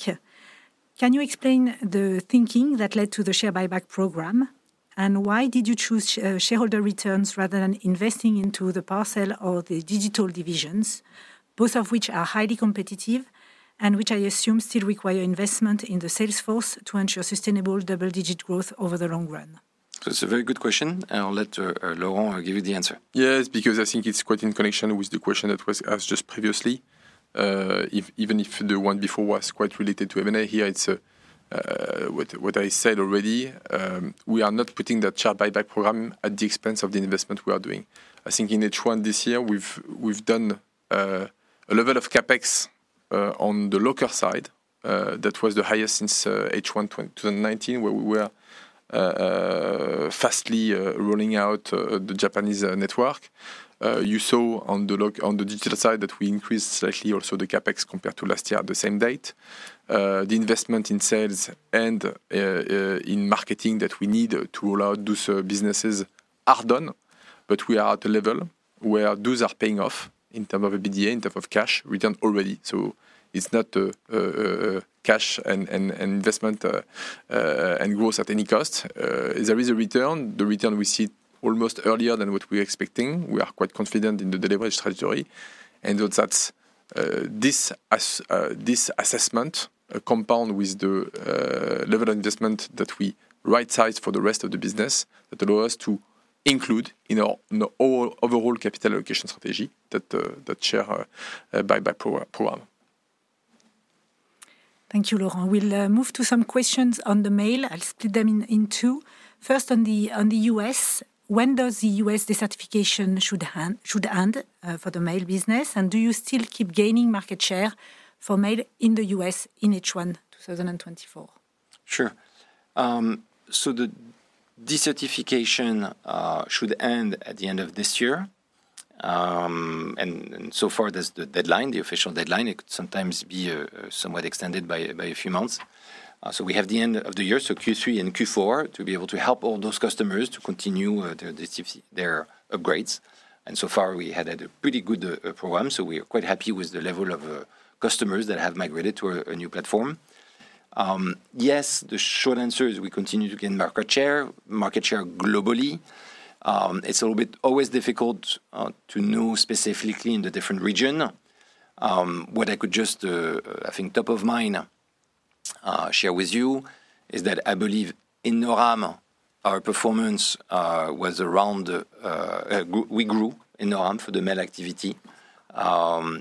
Can you explain the thinking that led to the share buyback program? And why did you choose shareholder returns rather than investing into the parcel or the digital divisions, both of which are highly competitive and which I assume still require investment in the sales force to ensure sustainable double-digit growth over the long run? So it's a very good question, and I'll let Laurent give you the answer. Yes, because I think it's quite in connection with the question that was asked just previously. Even if the one before was quite related to M&A, here it's what I said already. We are not putting that share buyback program at the expense of the investment we are doing. I think in H1 this year, we've done a level of CapEx on the locker side that was the highest since H1 2019, where we were vastly rolling out the Japanese network. You saw on the digital side that we increased slightly also the CapEx compared to last year at the same date. The investment in sales and in marketing that we need to allow those businesses are done, but we are at a level where those are paying off in term of EBITDA, in term of cash return already. So it's not cash and investment and growth at any cost. There is a return. The return we see almost earlier than what we are expecting. We are quite confident in the delivery strategy, and that's this assessment compound with the level of investment that we rightsize for the rest of the business, that allow us to include in our overall capital allocation strategy, that share buyback program. Thank you, Laurent. We'll move to some questions on the mail. I'll split them in two. First, on the U.S., when does the U.S. decertification should end for the mail business? And do you still keep gaining market share for mail in the U.S. in H1 2024? Sure. So the decertification should end at the end of this year. And so far, that's the deadline, the official deadline. It could sometimes be somewhat extended by a few months. So we have the end of the year, so Q3 and Q4, to be able to help all those customers to continue their DC-- their upgrades. And so far, we had a pretty good program, so we are quite happy with the level of customers that have migrated to a new platform. Yes, the short answer is we continue to gain market share globally. It's a little bit always difficult to know specifically in the different region. What I could just, I think, top of mind, share with you is that I believe in NOAM our performance was around. We grew in NOAM for the mail activity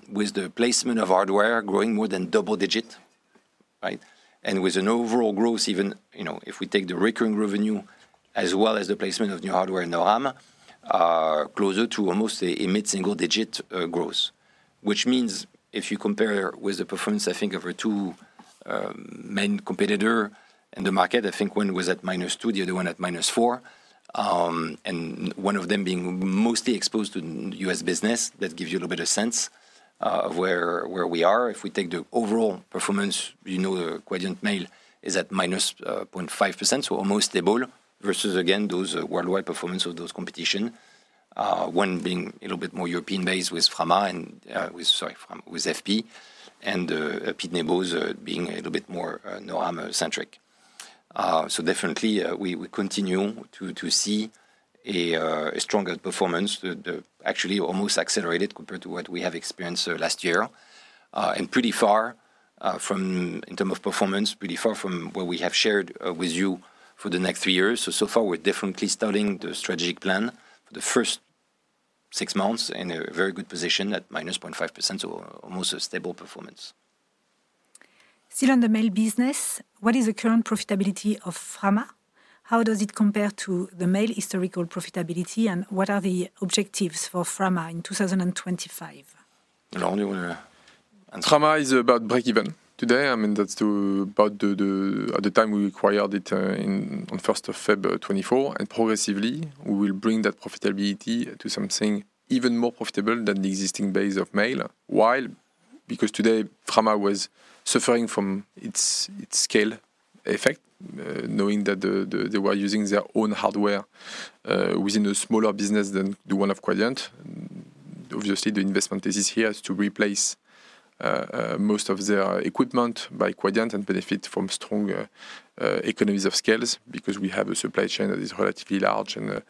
with the placement of hardware growing more than double-digit, right? And with an overall growth, even, you know, if we take the recurring revenue as well as the placement of new hardware in NOAM, are closer to almost a mid-single-digit growth. Which means if you compare with the performance, I think, of our two main competitor in the market, I think one was at minus two, the other one at minus four. And one of them being mostly exposed to U.S. business. That gives you a little bit of sense where we are. If we take the overall performance, you know, the Quadient mail is at -0.5%, so almost stable, versus, again, those worldwide performance of those competition. One being a little bit more European-based with Frama and, sorry, with FP, and Pitney Bowes being a little bit more NOAM-centric. So definitely, we continue to see a stronger performance, actually almost accelerated compared to what we have experienced last year. And pretty far from, in terms of performance, pretty far from what we have shared with you for the next three years. So far, we're definitely starting the strategic plan for the first six months in a very good position at -0.5%, so almost a stable performance. Still on the mail business, what is the current profitability of Frama? How does it compare to the mail historical profitability, and what are the objectives for Frama in 2025? Laurent, do you wanna- Frama is about breakeven today. I mean, about the time we acquired it, on 1st of February 2024, and progressively, we will bring that profitability to something even more profitable than the existing base of mail. While because today, Frama was suffering from its scale effect, knowing that they were using their own hardware within a smaller business than the one of Quadient obviously, the investment is here to replace most of their equipment by Quadient and benefit from strong economies of scales, because we have a supply chain that is relatively large and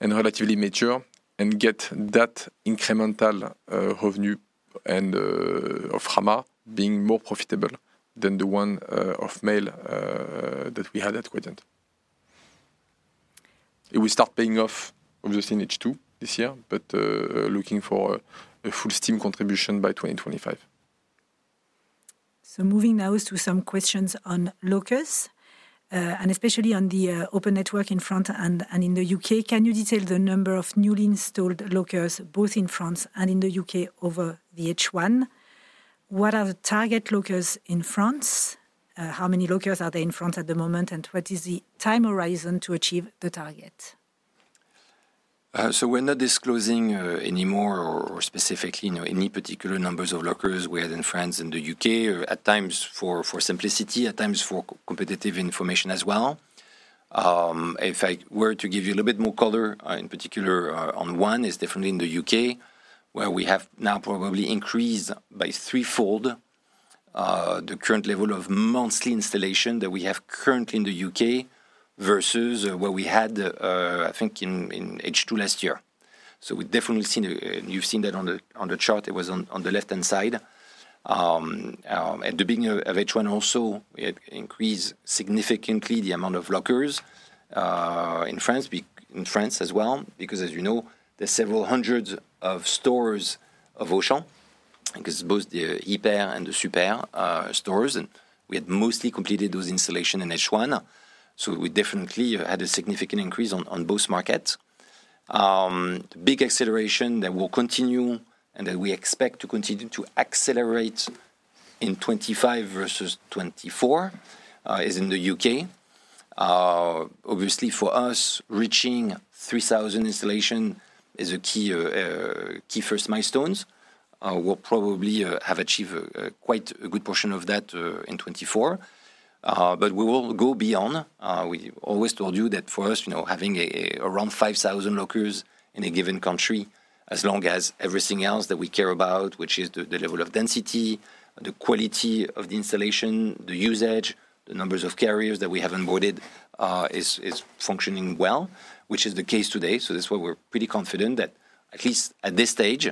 relatively mature, and get that incremental revenue and of Frama being more profitable than the one of mail that we had at Quadient. It will start paying off, obviously, in H2 this year, but looking for a full steam contribution by 2025. Moving now to some questions on lockers, and especially on the open network in France and in the U.K. Can you detail the number of newly installed lockers, both in France and in the U.K. over the H1? What are the target lockers in France? How many lockers are there in France at the moment, and what is the time horizon to achieve the target? So we're not disclosing anymore or specifically, you know, any particular numbers of lockers we have in France and the U.K., or at times for simplicity, at times for competitive information as well. If I were to give you a little bit more color, in particular, on one, is definitely in the U.K., where we have now probably increased by threefold the current level of monthly installation that we have currently in the U.K. versus what we had, I think in H2 last year. So we've definitely seen a... You've seen that on the chart. It was on the left-hand side. At the beginning of H1 also, we had increased significantly the amount of lockers in France as well, because as you know, there's several hundreds of stores of Auchan, because both the Hyper and the Super stores, and we had mostly completed those installations in H1. So we definitely have had a significant increase on both markets. Big acceleration that will continue and that we expect to continue to accelerate in 2025 versus 2024 is in the U.K. Obviously, for us, reaching 3,000 installations is a key first milestones. We'll probably have achieved a quite good portion of that in 2024. But we will go beyond. We always told you that for us, you know, having around 5,000 lockers in a given country, as long as everything else that we care about, which is the level of density, the quality of the installation, the usage, the numbers of carriers that we have onboarded, is functioning well, which is the case today. So that's why we're pretty confident that, at least at this stage,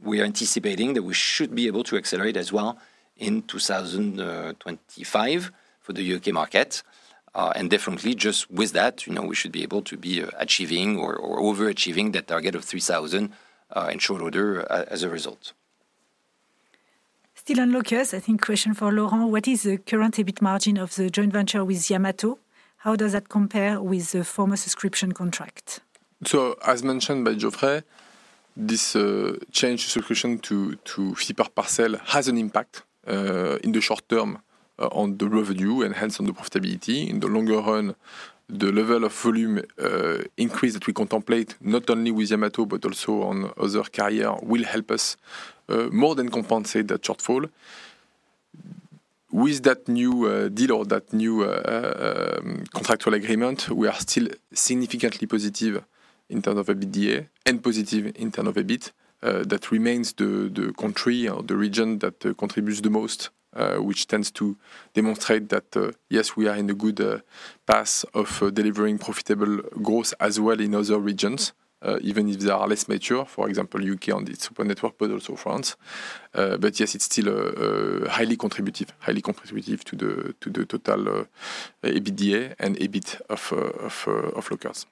we are anticipating that we should be able to accelerate as well in 2025 for the U.K. market. And definitely just with that, you know, we should be able to be achieving or over-achieving that target of 3,000 in short order as a result. Still on lockers, I think question for Laurent. What is the current EBIT margin of the joint venture with Yamato? How does that compare with the former subscription contract? So, as mentioned by Geoffrey, this change subscription to fee per parcel has an impact in the short term on the revenue and hence on the profitability. In the longer run, the level of volume increase that we contemplate, not only with Yamato, but also on other carrier, will help us more than compensate that shortfall. With that new deal or that new contractual agreement, we are still significantly positive in term of EBITDA and positive in term of EBIT. That remains the country or the region that contributes the most, which tends to demonstrate that yes, we are in a good path of delivering profitable growth as well in other regions, even if they are less mature, for example, U.K. on its open network, but also France. But yes, it's still highly contributive to the total EBITDA and EBIT of lockers.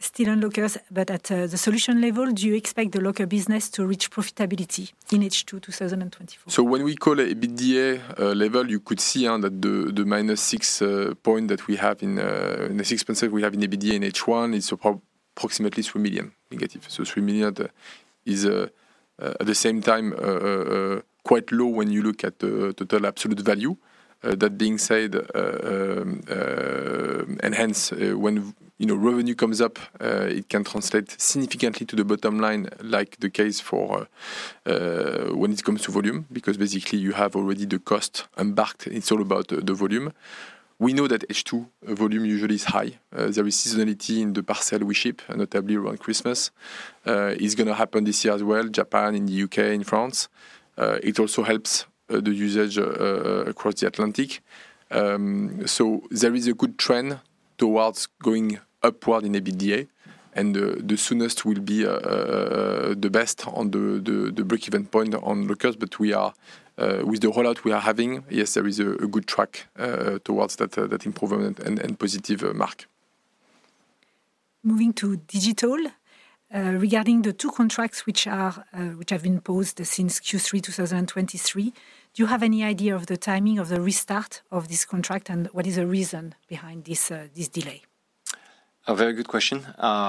Still on lockers, but at the solution level, do you expect the locker business to reach profitability in H2 2024? So when we call EBITDA level, you could see on that the minus six point that we have in. In the 6% we have in EBITDA in H1, it's approximately -3 million. So three million at the same time quite low when you look at the total absolute value. That being said, and hence, when you know revenue comes up, it can translate significantly to the bottom line, like the case for when it comes to volume, because basically you have already the cost embarked. It's all about the volume. We know that H2 volume usually is high. There is seasonality in the parcel we ship, and notably around Christmas is gonna happen this year as well, Japan, in the U.K., in France. It also helps the usage across the Atlantic. So there is a good trend towards going upward in EBITDA, and the soonest will be the best on the breakeven point on lockers, but we are. With the rollout we are having, yes, there is a good track towards that improvement and positive mark. Moving to Digital. Regarding the two contracts which have been paused since Q3 2023, do you have any idea of the timing of the restart of this contract, and what is the reason behind this delay? A very good question.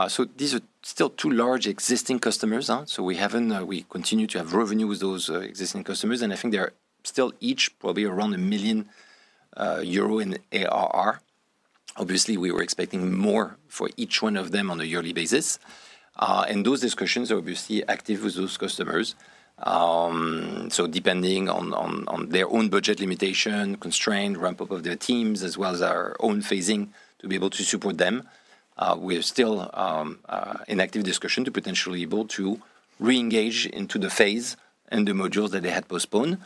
So these are still two large existing customers, so we continue to have revenue with those existing customers, and I think they are still each probably around 1 million euro in ARR. Obviously, we were expecting more for each one of them on a yearly basis. And those discussions are obviously active with those customers. So depending on their own budget limitation, constraint, ramp-up of their teams, as well as our own phasing to be able to support them. We are still in active discussion to potentially able to reengage into the phase and the modules that they had postponed.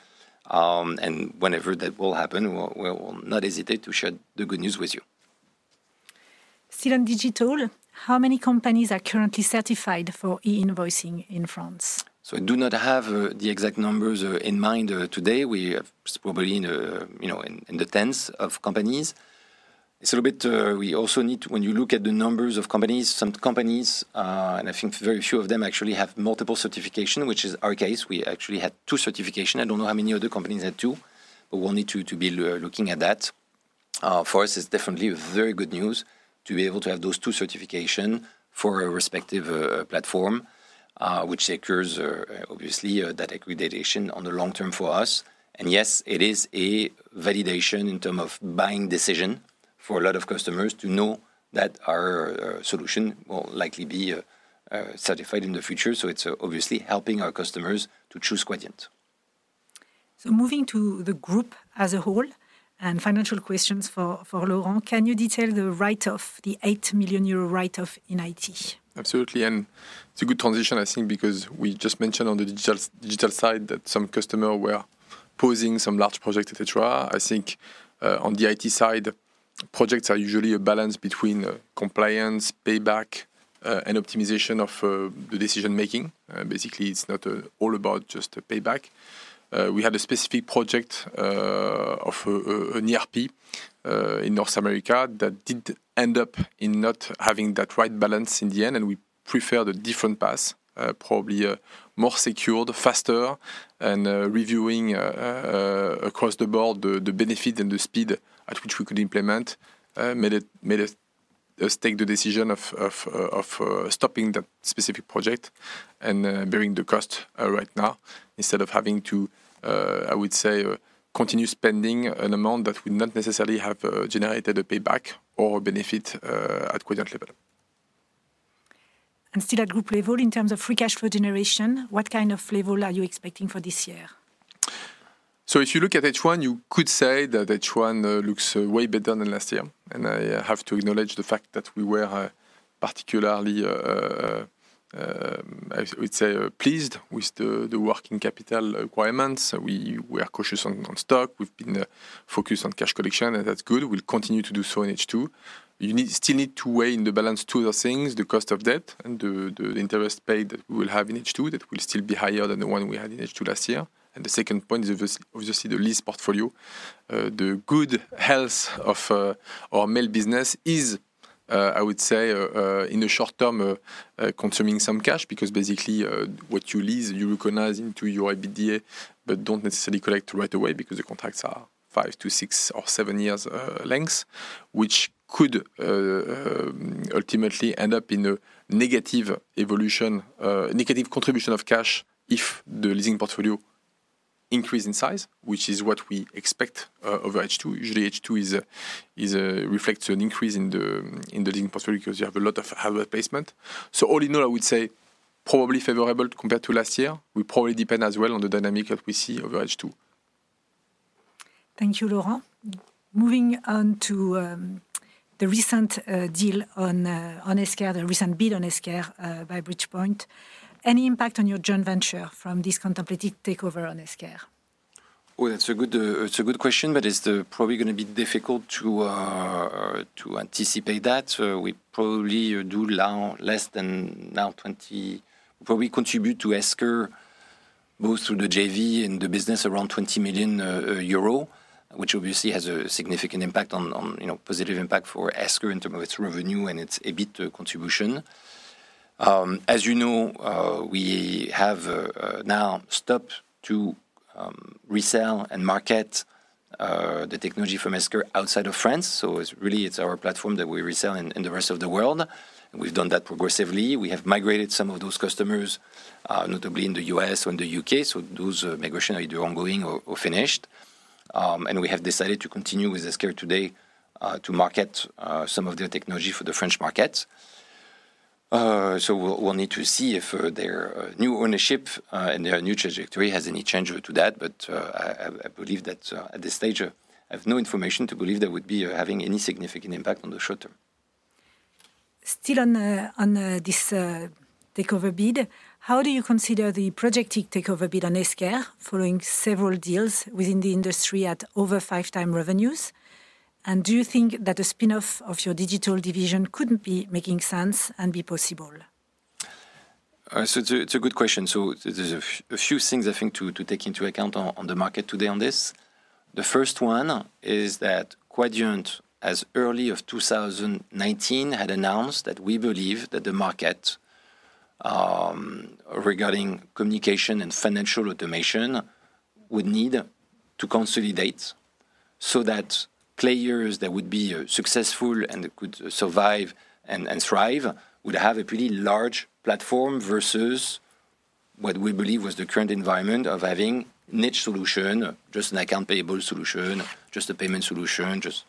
And whenever that will happen, we'll, we will not hesitate to share the good news with you. Still on digital, how many companies are currently certified for e-invoicing in France? So I do not have the exact numbers in mind. Today we have probably in, you know, in the tens of companies. It's a little bit. We also need. When you look at the numbers of companies, some companies, and I think very few of them actually have multiple certification, which is our case. We actually had two certification. I don't know how many other companies had two, but we'll need to be looking at that. For us, it's definitely very good news to be able to have those two certification for a respective platform, which secures obviously that accreditation on the long term for us. And yes, it is a validation in terms of buying decision for a lot of customers to know that our solution will likely be certified in the future. So it's obviously helping our customers to choose Quadient. So moving to the group as a whole, and financial questions for Laurent. Can you detail the write-off, the 8 million euro write-off in IT? Absolutely. And it's a good transition, I think, because we just mentioned on the digital side that some customers were pausing some large projects, et cetera. I think on the IT side, projects are usually a balance between compliance, payback, and optimization of the decision making. Basically, it's not all about just a payback. We had a specific project of an ERP in North America that did end up in not having that right balance in the end, and we preferred a different path, probably more secured, faster, and reviewing across the board the benefit and the speed at which we could implement made us take the decision of stopping that specific project and bearing the cost right now, instead of having to, I would say, continue spending an amount that would not necessarily have generated a payback or benefit at Quadient level. Still at group level, in terms of free cash flow generation, what kind of level are you expecting for this year? So if you look at H1, you could say that H1 looks way better than last year. And I have to acknowledge the fact that we were particularly I would say pleased with the working capital requirements. We are cautious on stock. We've been focused on cash collection, and that's good. We'll continue to do so in H2. Still need to weigh in the balance two other things, the cost of debt and the interest paid that we'll have in H2, that will still be higher than the one we had in H2 last year. And the second point is obviously the lease portfolio. The good health of our mail business is, I would say, in the short term, consuming some cash, because basically, what you lease, you recognize into your EBITDA, but don't necessarily collect right away because the contracts are five to six or seven years lengths. Which could ultimately end up in a negative evolution, negative contribution of cash if the leasing portfolio increase in size, which is what we expect over H2. Usually, H2 is a reflection, an increase in the leasing portfolio because you have a lot of hardware placement. So all in all, I would say probably favorable compared to last year. We probably depend as well on the dynamic that we see over H2. Thank you, Laurent. Moving on to the recent deal on Esker, the recent bid on Esker by Bridgepoint. Any impact on your joint venture from this contemplated takeover on Esker? Well, it's a good question, but it's probably gonna be difficult to anticipate that. We probably contribute to Esker, both through the JV and the business, around 20 million euro, which obviously has a significant impact, you know, positive impact for Esker in terms of its revenue and its EBIT contribution. As you know, we have now stopped to resell and market the technology from Esker outside of France, so it's really, it's our platform that we resell in the rest of the world. We've done that progressively. We have migrated some of those customers, notably in the U.S. and the U.K., so those migrations are either ongoing or finished. And we have decided to continue with Esker today to market some of their technology for the French market. So we'll need to see if their new ownership and their new trajectory has any change to that. But I believe that at this stage I have no information to believe there would be having any significant impact on the short term. Still on this takeover bid. How do you consider the projected takeover bid on Esker following several deals within the industry at over five times revenues? And do you think that a spin-off of your digital division could be making sense and be possible? So it's a good question. So there's a few things I think to take into account on the market today on this. The first one is that Quadient, as early as 2019, had announced that we believe that the market, regarding communication and financial automation, would need to consolidate so that players that would be successful and could survive and thrive, would have a pretty large platform versus what we believe was the current environment of having niche solution, just an accounts payable solution, just a payment solution, just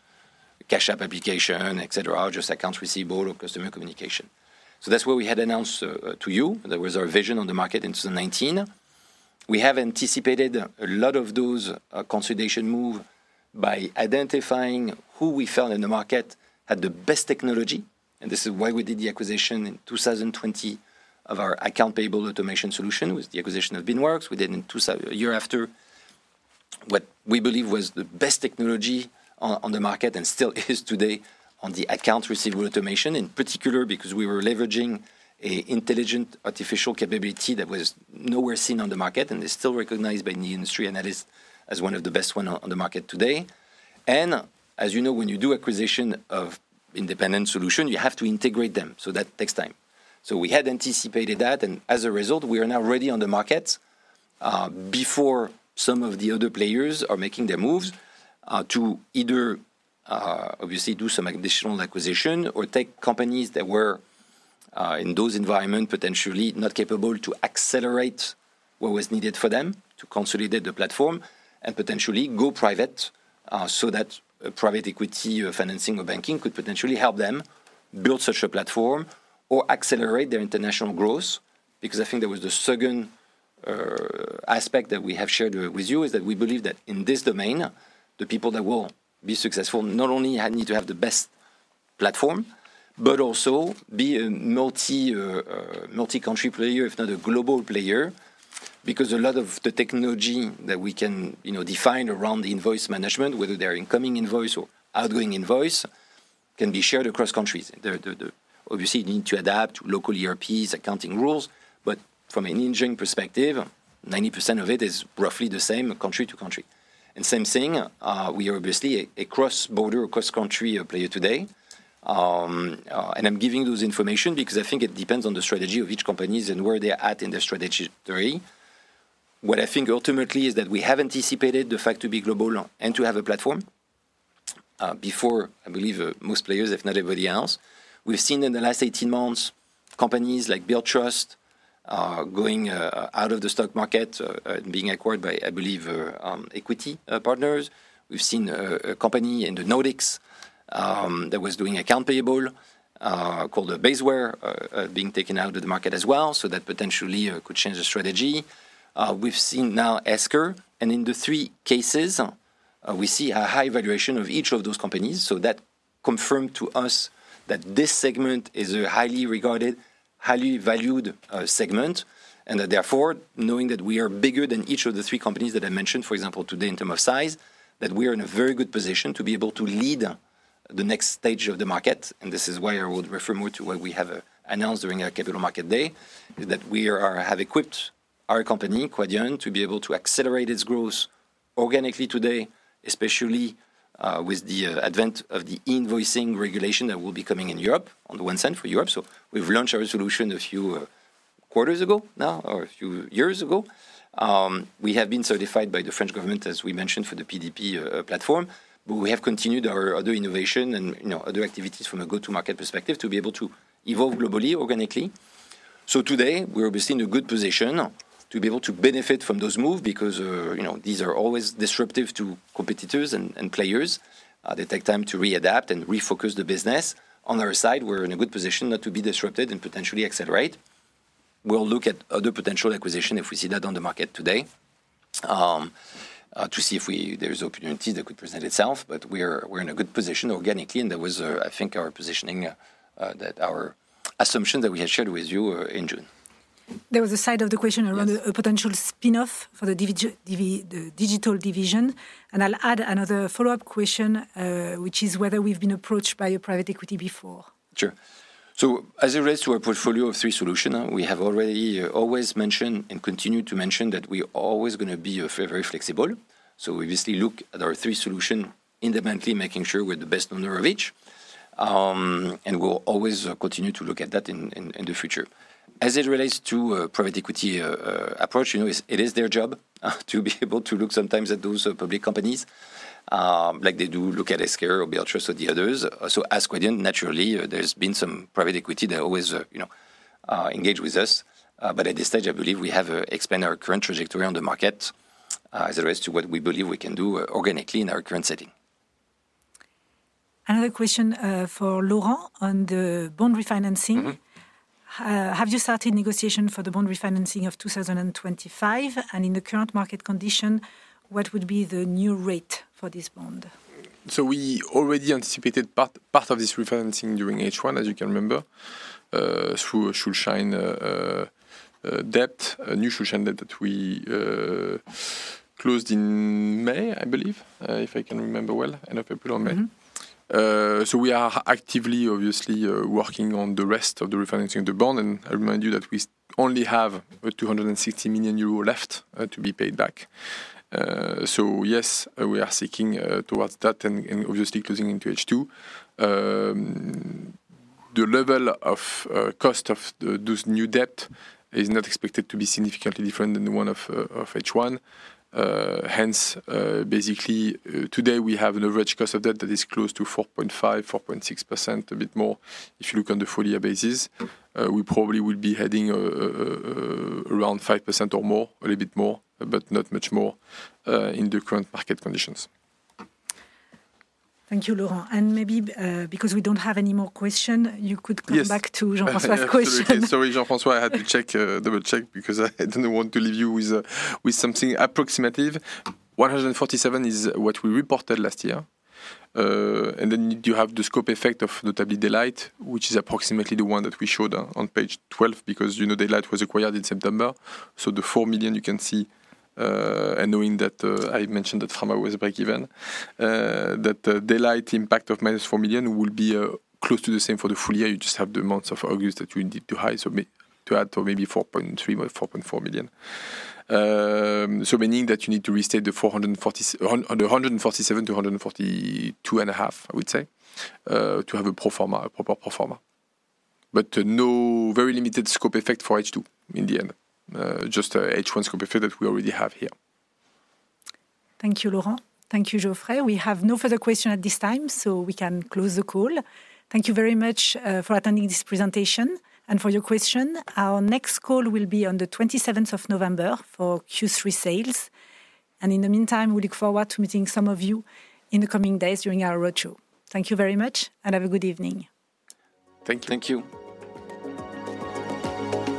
a cash application, et cetera, just accounts receivable or customer communication. So that's what we had announced to you. That was our vision on the market in 2019. We have anticipated a lot of those consolidation moves by identifying who we felt in the market had the best technology, and this is why we did the acquisition in 2020 of our accounts payable automation solution, with the acquisition of Beanworks. We did a year after what we believe was the best technology on the market and still is today on the accounts receivable automation, in particular, because we were leveraging artificial intelligence capability that was nowhere seen on the market, and is still recognized by the industry, and that is one of the best ones on the market today. As you know, when you do acquisition of independent solutions, you have to integrate them, so that takes time. So we had anticipated that, and as a result, we are now ready on the market, before some of the other players are making their moves, to either, obviously do some additional acquisition or take companies that were, in those environment, potentially not capable to accelerate what was needed for them to consolidate the platform and potentially go private, so that private equity or financing or banking could potentially help them build such a platform or accelerate their international growth. Because I think that was the second, aspect that we have shared with you, is that we believe that in this domain, the people that will be successful not only have need to have the best platform, but also be a multi, multi-country player, if not a global player. Because a lot of the technology that we can, you know, define around the invoice management, whether they're incoming invoice or outgoing invoice, can be shared across countries. Obviously, you need to adapt to local ERPs, accounting rules, but from an engineering perspective, 90% of it is roughly the same country to country. And same thing, we are obviously a cross-border, cross-country player today. And I'm giving those information because I think it depends on the strategy of each companies and where they are at in their strategy story. What I think ultimately is that we have anticipated the fact to be global and to have a platform, before, I believe, most players, if not everybody else. We've seen in the last eighteen months, companies like Billtrust, going out of the stock market, and being acquired by, I believe, EQT Partners. We've seen a company in the Nordics, that was doing account payable, called Basware, being taken out of the market as well, so that potentially could change the strategy. We've seen now Esker, and in the three cases, we see a high valuation of each of those companies. So that confirmed to us that this segment is a highly regarded, highly valued, segment, and that therefore, knowing that we are bigger than each of the three companies that I mentioned, for example, today, in term of size, that we are in a very good position to be able to lead, the next stage of the market. This is why I would refer more to what we have announced during our Capital Markets Day: we have equipped our company, Quadient, to be able to accelerate its growth organically today, especially with the advent of the invoicing regulation that will be coming in Europe, on the one side, for Europe. We've launched our solution a few quarters ago now, or a few years ago. We have been certified by the French government, as we mentioned, for the PDP platform. We have continued our other innovation and, you know, other activities from a go-to market perspective, to be able to evolve globally, organically. Today, we are obviously in a good position to be able to benefit from those moves because, you know, these are always disruptive to competitors and players. They take time to readapt and refocus the business. On our side, we're in a good position not to be disrupted and potentially accelerate. We'll look at other potential acquisition if we see that on the market today, there is opportunity that could present itself, but we're in a good position organically, and that was, I think, our positioning, that our assumption that we had shared with you in June. There was a side of the question around- Yes A potential spin-off for the digital division. I'll add another follow-up question, which is whether we've been approached by a private equity before? Sure. So as it relates to our portfolio of three solutions, we have already always mentioned and continue to mention that we are always gonna be very flexible. So we obviously look at our three solutions independently, making sure we're the best owner of each. And we'll always continue to look at that in the future. As it relates to private equity approach, you know, it's their job to be able to look sometimes at those public companies like they do look at Esker or Billtrust or the others. So as Quadient, naturally, there's been some private equity. They always you know engage with us. But at this stage, I believe we have expanded our current trajectory on the market, as it relates to what we believe we can do organically in our current setting. Another question for Laurent on the bond refinancing. Mm-hmm. Have you started negotiation for the bond refinancing of 2025? And in the current market condition, what would be the new rate for this bond? So we already anticipated part of this refinancing during H1, as you can remember, through a Schuldschein debt, a new Schuldschein debt that we closed in May, I believe, if I can remember well, end of April or May. Mm-hmm. So we are actively, obviously, working on the rest of the refinancing of the bond. And I remind you that we only have 260 million euro left to be paid back. So yes, we are seeking towards that and, and obviously closing into H2. The level of cost of those new debt is not expected to be significantly different than the one of H1. Hence, basically, today we have an average cost of debt that is close to 4.5%-4.6%, a bit more. If you look on the full year basis, we probably will be heading around 5% or more, a little bit more, but not much more in the current market conditions. Thank you, Laurent. And maybe, because we don't have any more question, you could- Yes... come back to Jean-François's question. Absolutely. Sorry, Jean-François, I had to check, double-check, because I didn't want to leave you with, with something approximative. One hundred and forty-seven is what we reported last year. And then you have the scope effect of notably Daylight, which is approximately the one that we showed on page twelve, because, you know, Daylight was acquired in September. So the four million you can see, and knowing that, I mentioned that Frama was break even, that the Daylight impact of -4 million will be, close to the same for the full year. You just have the months of August that you need to add to maybe four point three, four point four million. So meaning that you need to restate the 147 to 142.5, I would say, to have a pro forma, a proper pro forma. But, no, very limited scope effect for H2 in the end. Just a H1 scope effect that we already have here. Thank you, Laurent. Thank you, Geoffrey. We have no further question at this time, so we can close the call. Thank you very much for attending this presentation and for your question. Our next call will be on the twenty-seventh of November for Q3 sales. In the meantime, we look forward to meeting some of you in the coming days during our roadshow. Thank you very much, and have a good evening. Thank you. Thank you.